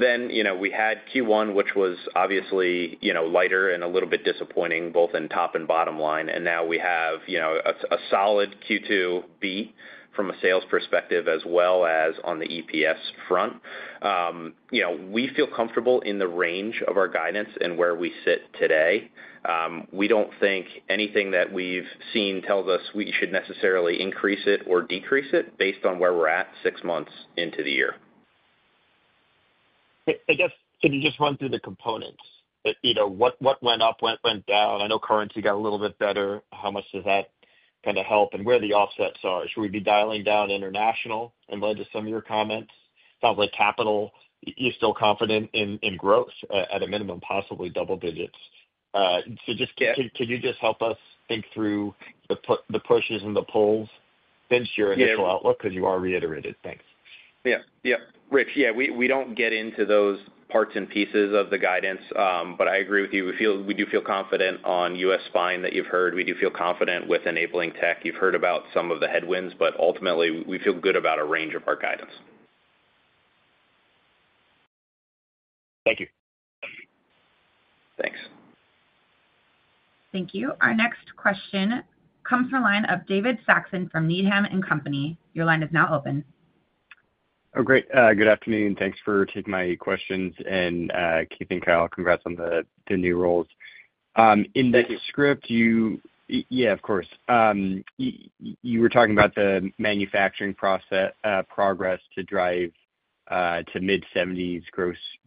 We had Q1, which was obviously lighter and a little bit disappointing, both in top and bottom line. Now we have a solid Q2B from a sales perspective, as well as on the EPS front. We feel comfortable in the range of our guidance and where we sit today. We don't think anything that we've seen tells us we should necessarily increase it or decrease it based on where we're at six months into the year. I guess, can you just run through the components? You know, what went up, what went down? I know currency got a little bit better. How much does that kind of help and where the offsets are? Should we be dialing down international in light of some of your comments? It sounds like capital. You're still confident in growth at a minimum, possibly double digits. Can you just help us think through the pushes and the pulls since your initial outlook? Because you are reiterated. Thanks. Yeah, Rich. We don't get into those parts and pieces of the guidance, but I agree with you. We do feel confident on U.S. spine that you've heard. We do feel confident with enabling tech. You've heard about some of the headwinds, but ultimately, we feel good about a range of our guidance. Thank you. Thank you. Our next question comes from the line of David Saxon from Needham & Company. Your line is now open. Oh, great. Good afternoon. Thanks for taking my questions and Keith and Kyle. Congrats on the new roles. In the script, you were talking about the manufacturing progress to drive to mid-70%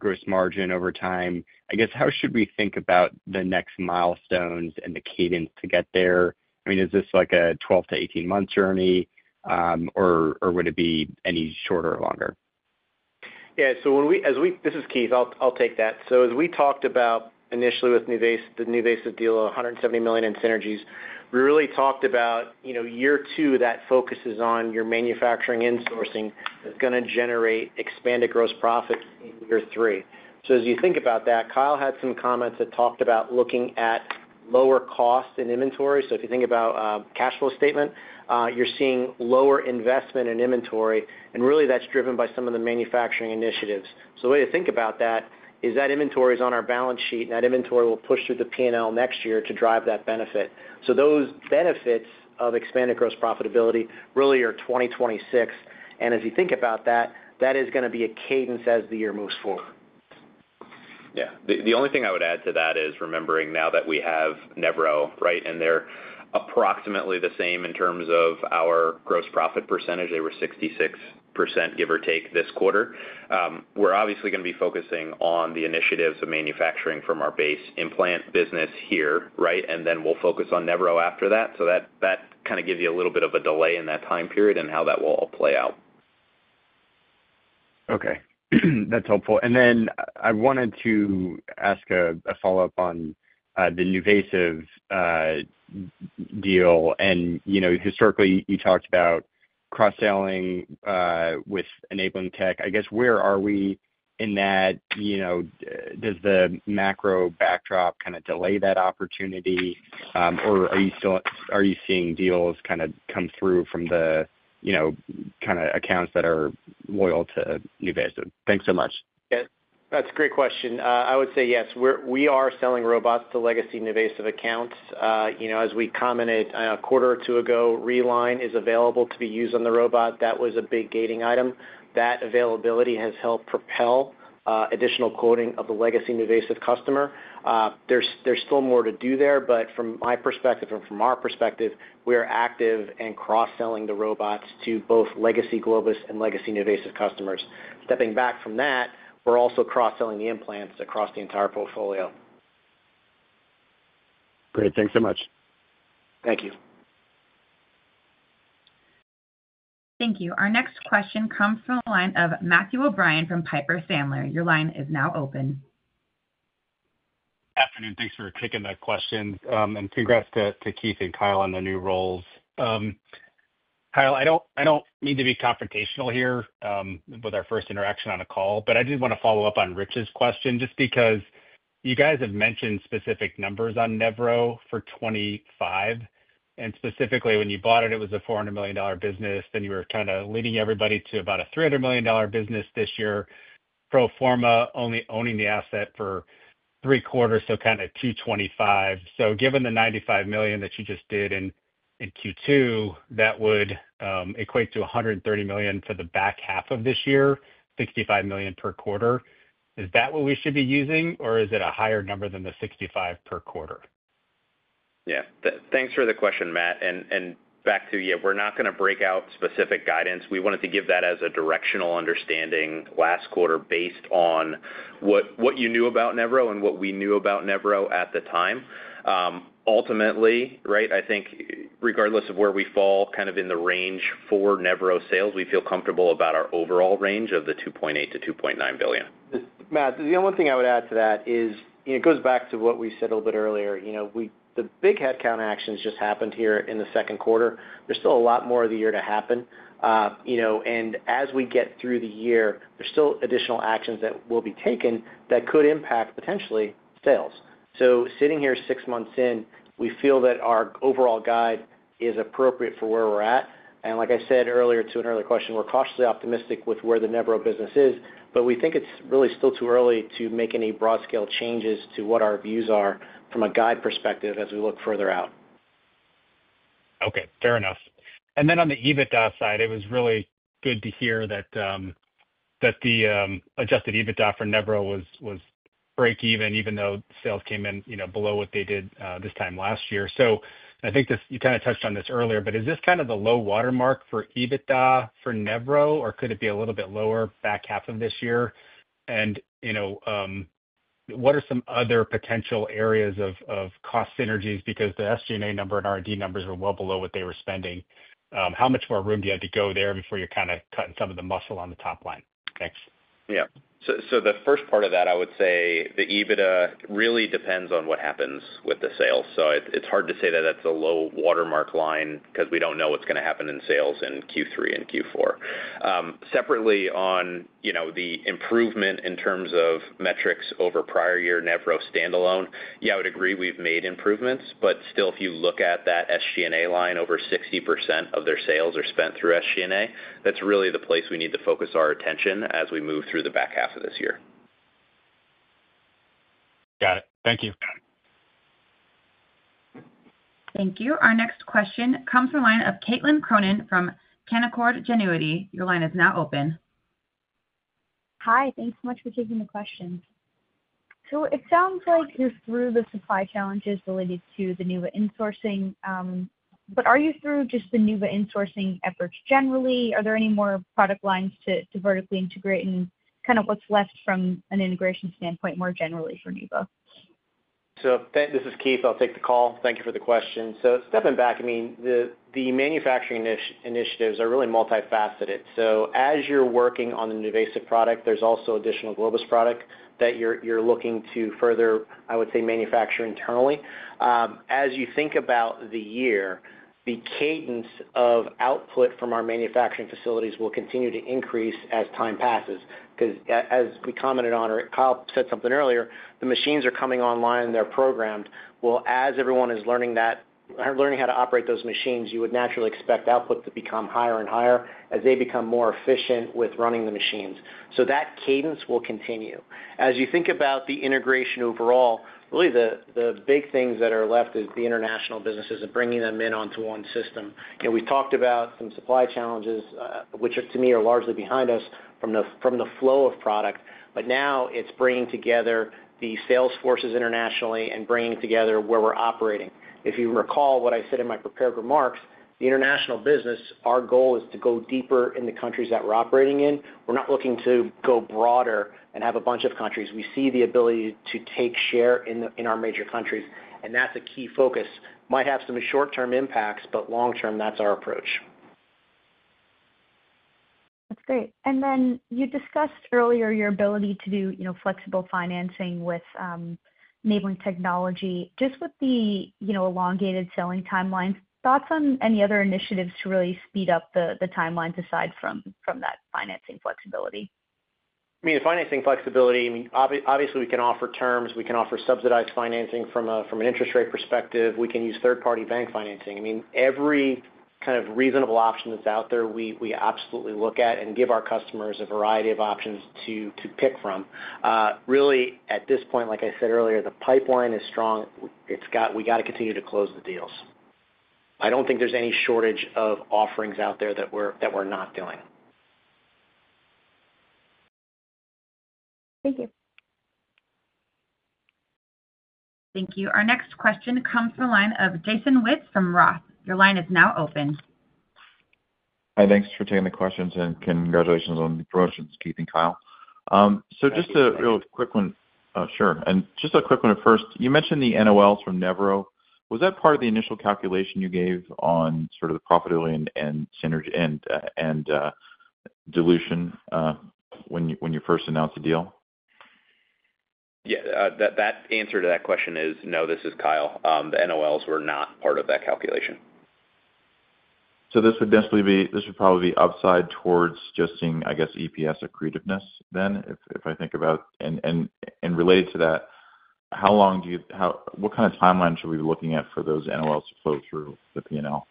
gross margin over time. I guess, how should we think about the next milestones and the cadence to get there? I mean, is this like a 12-18 month journey or would it be any shorter or longer? Yeah, when we. This is Keith. I'll take that. As we talked about initially with the NuVasive deal of $170 million in synergies, we really talked about year two that focuses on your manufacturing insourcing is going to generate expanded gross profits in year three. As you think about that, Kyle had some comments that talked about looking at lower costs in inventory. If you think about cash flow statement, you're seeing lower investment in inventory, and really that's driven by some of the manufacturing initiatives. The way to think about that is that inventory is on our balance sheet, and that inventory will push through the P&L next year to drive that benefit. Those benefits of expanded gross profitability really are 2026. As you think about that, that is going to be a cadence as the year moves forward. Yeah, the only thing I would add to that is remembering now that we have Nevro, right, and they're approximately the same in terms of our gross profit percentage. They were 66%, give or take, this quarter. We're obviously going to be focusing on the initiatives of manufacturing from our base implant business here, right? Then we'll focus on Nevro after that. That kind of gives you a little bit of a delay in that time period and how that will all play out. Okay, that's helpful. I wanted to ask a follow-up on the NuVasive deal. You know, historically, you talked about cross-selling with enabling tech. I guess, where are we in that? Does the macro backdrop kind of delay that opportunity, or are you still seeing deals come through from the accounts that are loyal to NuVasive? Thanks so much. Yeah, that's a great question. I would say yes, we are selling robots to legacy NuVasive accounts. You know, as we commented a quarter or two ago, Reline is available to be used on the robot. That was a big gating item. That availability has helped propel additional quoting of the legacy NuVasive customer. There's still more to do there, but from my perspective and from our perspective, we are active and cross-selling the robots to both legacy Globus and legacy NuVasive customers. Stepping back from that, we're also cross-selling the implants across the entire portfolio. Great, thanks so much. Thank you. Thank you. Our next question comes from a line of Matthew O'Brien from Piper Sandler. Your line is now open. Good afternoon. Thanks for taking my question. Congrats to Keith and Kyle on the new roles. Kyle, I don't mean to be confrontational here with our first interaction on a call, but I did want to follow up on Rich's question just because you guys have mentioned specific numbers on Nevro for 2025. Specifically, when you bought it, it was a $400 million business. You were kind of leading everybody to about a $300 million business this year, pro forma, only owning the asset for three quarters, kind of Q 2025. Given the $95 million that you just did in Q2, that would equate to $130 million for the back half of this year, $65 million per quarter. Is that what we should be using, or is it a higher number than the $65 million per quarter? Yeah. Thanks for the question, Matt. We're not going to break out specific guidance. We wanted to give that as a directional understanding last quarter based on what you knew about Nevro and what we knew about Nevro at the time. Ultimately, I think regardless of where we fall in the range for Nevro sales, we feel comfortable about our overall range of the $2.8 billion-$2.9 billion. Matt, the only thing I would add to that is, you know, it goes back to what we said a little bit earlier. The big headcount actions just happened here in the second quarter. There's still a lot more of the year to happen, and as we get through the year, there's still additional actions that will be taken that could impact potentially sales. Sitting here six months in, we feel that our overall guide is appropriate for where we're at. Like I said earlier to an earlier question, we're cautiously optimistic with where the Nevro business is, but we think it's really still too early to make any broad-scale changes to what our views are from a guide perspective as we look further out. Okay, fair enough. On the EBITDA side, it was really good to hear that the adjusted EBITDA for Nevro was breakeven, even though sales came in below what they did this time last year. I think you kind of touched on this earlier, but is this kind of the low watermark for EBITDA for Nevro, or could it be a little bit lower back half of this year? What are some other potential areas of cost synergies? The SG&A number and R&D numbers were well below what they were spending. How much more room do you have to go there before you're kind of cutting some of the muscle on the top line? Thanks. The first part of that, I would say the EBITDA really depends on what happens with the sales. It's hard to say that that's a low watermark line because we don't know what's going to happen in sales in Q3 and Q4. Separately, on the improvement in terms of metrics over prior year Nevro standalone, I would agree we've made improvements, but still, if you look at that SG&A line, over 60% of their sales are spent through SG&A. That's really the place we need to focus our attention as we move through the back half of this year. Got it. Thank you. Thank you. Our next question comes from the line of Caitlin Cronin from Canaccord Genuity. Your line is now open. Hi, thanks so much for taking the question. It sounds like you're through the supply challenges related to the NuVa insourcing, but are you through just the NuVa insourcing efforts generally? Are there any more product lines to vertically integrate, and what's left from an integration standpoint more generally for NuVa? This is Keith. I'll take the call. Thank you for the question. Stepping back, the manufacturing initiatives are really multifaceted. As you're working on the NuVasive product, there's also additional Globus product that you're looking to further, I would say, manufacture internally. As you think about the year, the cadence of output from our manufacturing facilities will continue to increase as time passes, because as we commented on, or Kyle said something earlier, the machines are coming online and they're programmed. As everyone is learning that, learning how to operate those machines, you would naturally expect output to become higher and higher as they become more efficient with running the machines. That cadence will continue. As you think about the integration overall, really the big things that are left is the international businesses and bringing them in onto one system. We've talked about some supply challenges, which to me are largely behind us from the flow of product, but now it's bringing together the sales forces internationally and bringing together where we're operating. If you recall what I said in my prepared remarks, the international business, our goal is to go deeper in the countries that we're operating in. We're not looking to go broader and have a bunch of countries. We see the ability to take share in our major countries, and that's a key focus. Might have some short-term impacts, but long-term, that's our approach. That's great. You discussed earlier your ability to do flexible financing with enabling technology. With the elongated selling timeline, thoughts on any other initiatives to really speed up the timelines aside from that financing flexibility? The financing flexibility, obviously we can offer terms, we can offer subsidized financing from an interest rate perspective, we can use third-party bank financing. Every kind of reasonable option that's out there, we absolutely look at and give our customers a variety of options to pick from. Really, at this point, like I said earlier, the pipeline is strong. We got to continue to close the deals. I don't think there's any shortage of offerings out there that we're not doing. Thank you. Thank you. Our next question comes from the line of Jason Wittes from Roth. Your line is now open. Hi, thanks for taking the questions, and congratulations on the promotions, Keith and Kyle. Just a real quick one. You mentioned the NOLs from Nevro. Was that part of the initial calculation you gave on sort of the profitability and synergy, and dilution, when you first announced the deal? Yeah, the answer to that question is no. This is Kyle. The NOLs were not part of that calculation. This would probably be upside towards just seeing, I guess, EPS accretiveness then, if I think about. Related to that, how long do you, what kind of timeline should we be looking at for those NOLs to flow through the P&L?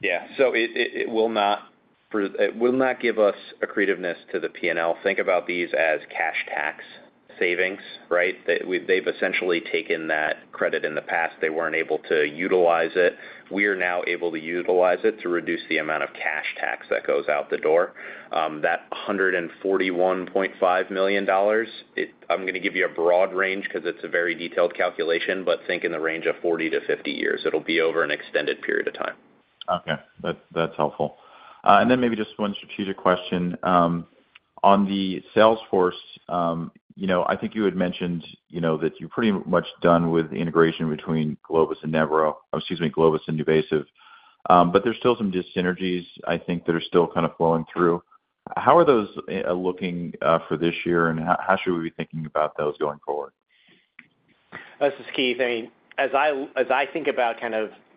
Yeah, it will not give us a creativeness to the P&L. Think about these as cash tax savings, right? They've essentially taken that credit in the past. They weren't able to utilize it. We are now able to utilize it to reduce the amount of cash tax that goes out the door. That $141.5 million, I'm going to give you a broad range because it's a very detailed calculation, but think in the range of 40-50 years. It'll be over an extended period of time. Okay, that's helpful. Maybe just one strategic question. On the sales force, I think you had mentioned that you're pretty much done with the integration between Globus and Nevro, or excuse me, Globus and NuVasive, but there's still some dissynergies, I think, that are still kind of flowing through. How are those looking for this year, and how should we be thinking about those going forward? This is Keith. As I think about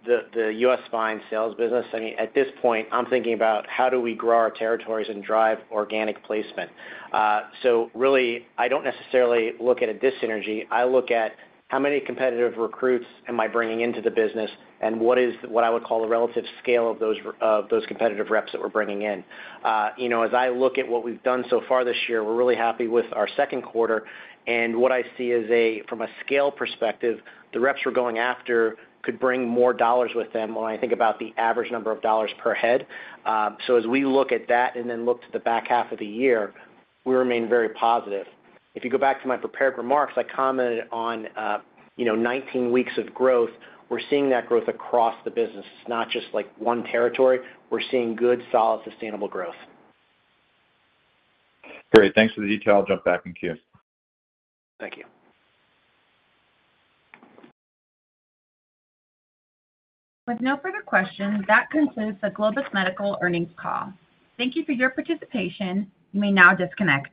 the U.S. spine sales business, at this point, I'm thinking about how do we grow our territories and drive organic placement. I don't necessarily look at a dissynergy. I look at how many competitive recruits I'm bringing into the business and what I would call the relative scale of those competitive reps that we're bringing in. As I look at what we've done so far this year, we're really happy with our second quarter. What I see is, from a scale perspective, the reps we're going after could bring more dollars with them when I think about the average number of dollars per head. As we look at that and then look to the back half of the year, we remain very positive. If you go back to my prepared remarks, I commented on 19 weeks of growth. We're seeing that growth across the business. It's not just one territory. We're seeing good, solid, sustainable growth. Great. Thanks for the detail. I'll jump back in queue. Thank you. With no further questions, that concludes the Globus Medical earnings call. Thank you for your participation. You may now disconnect.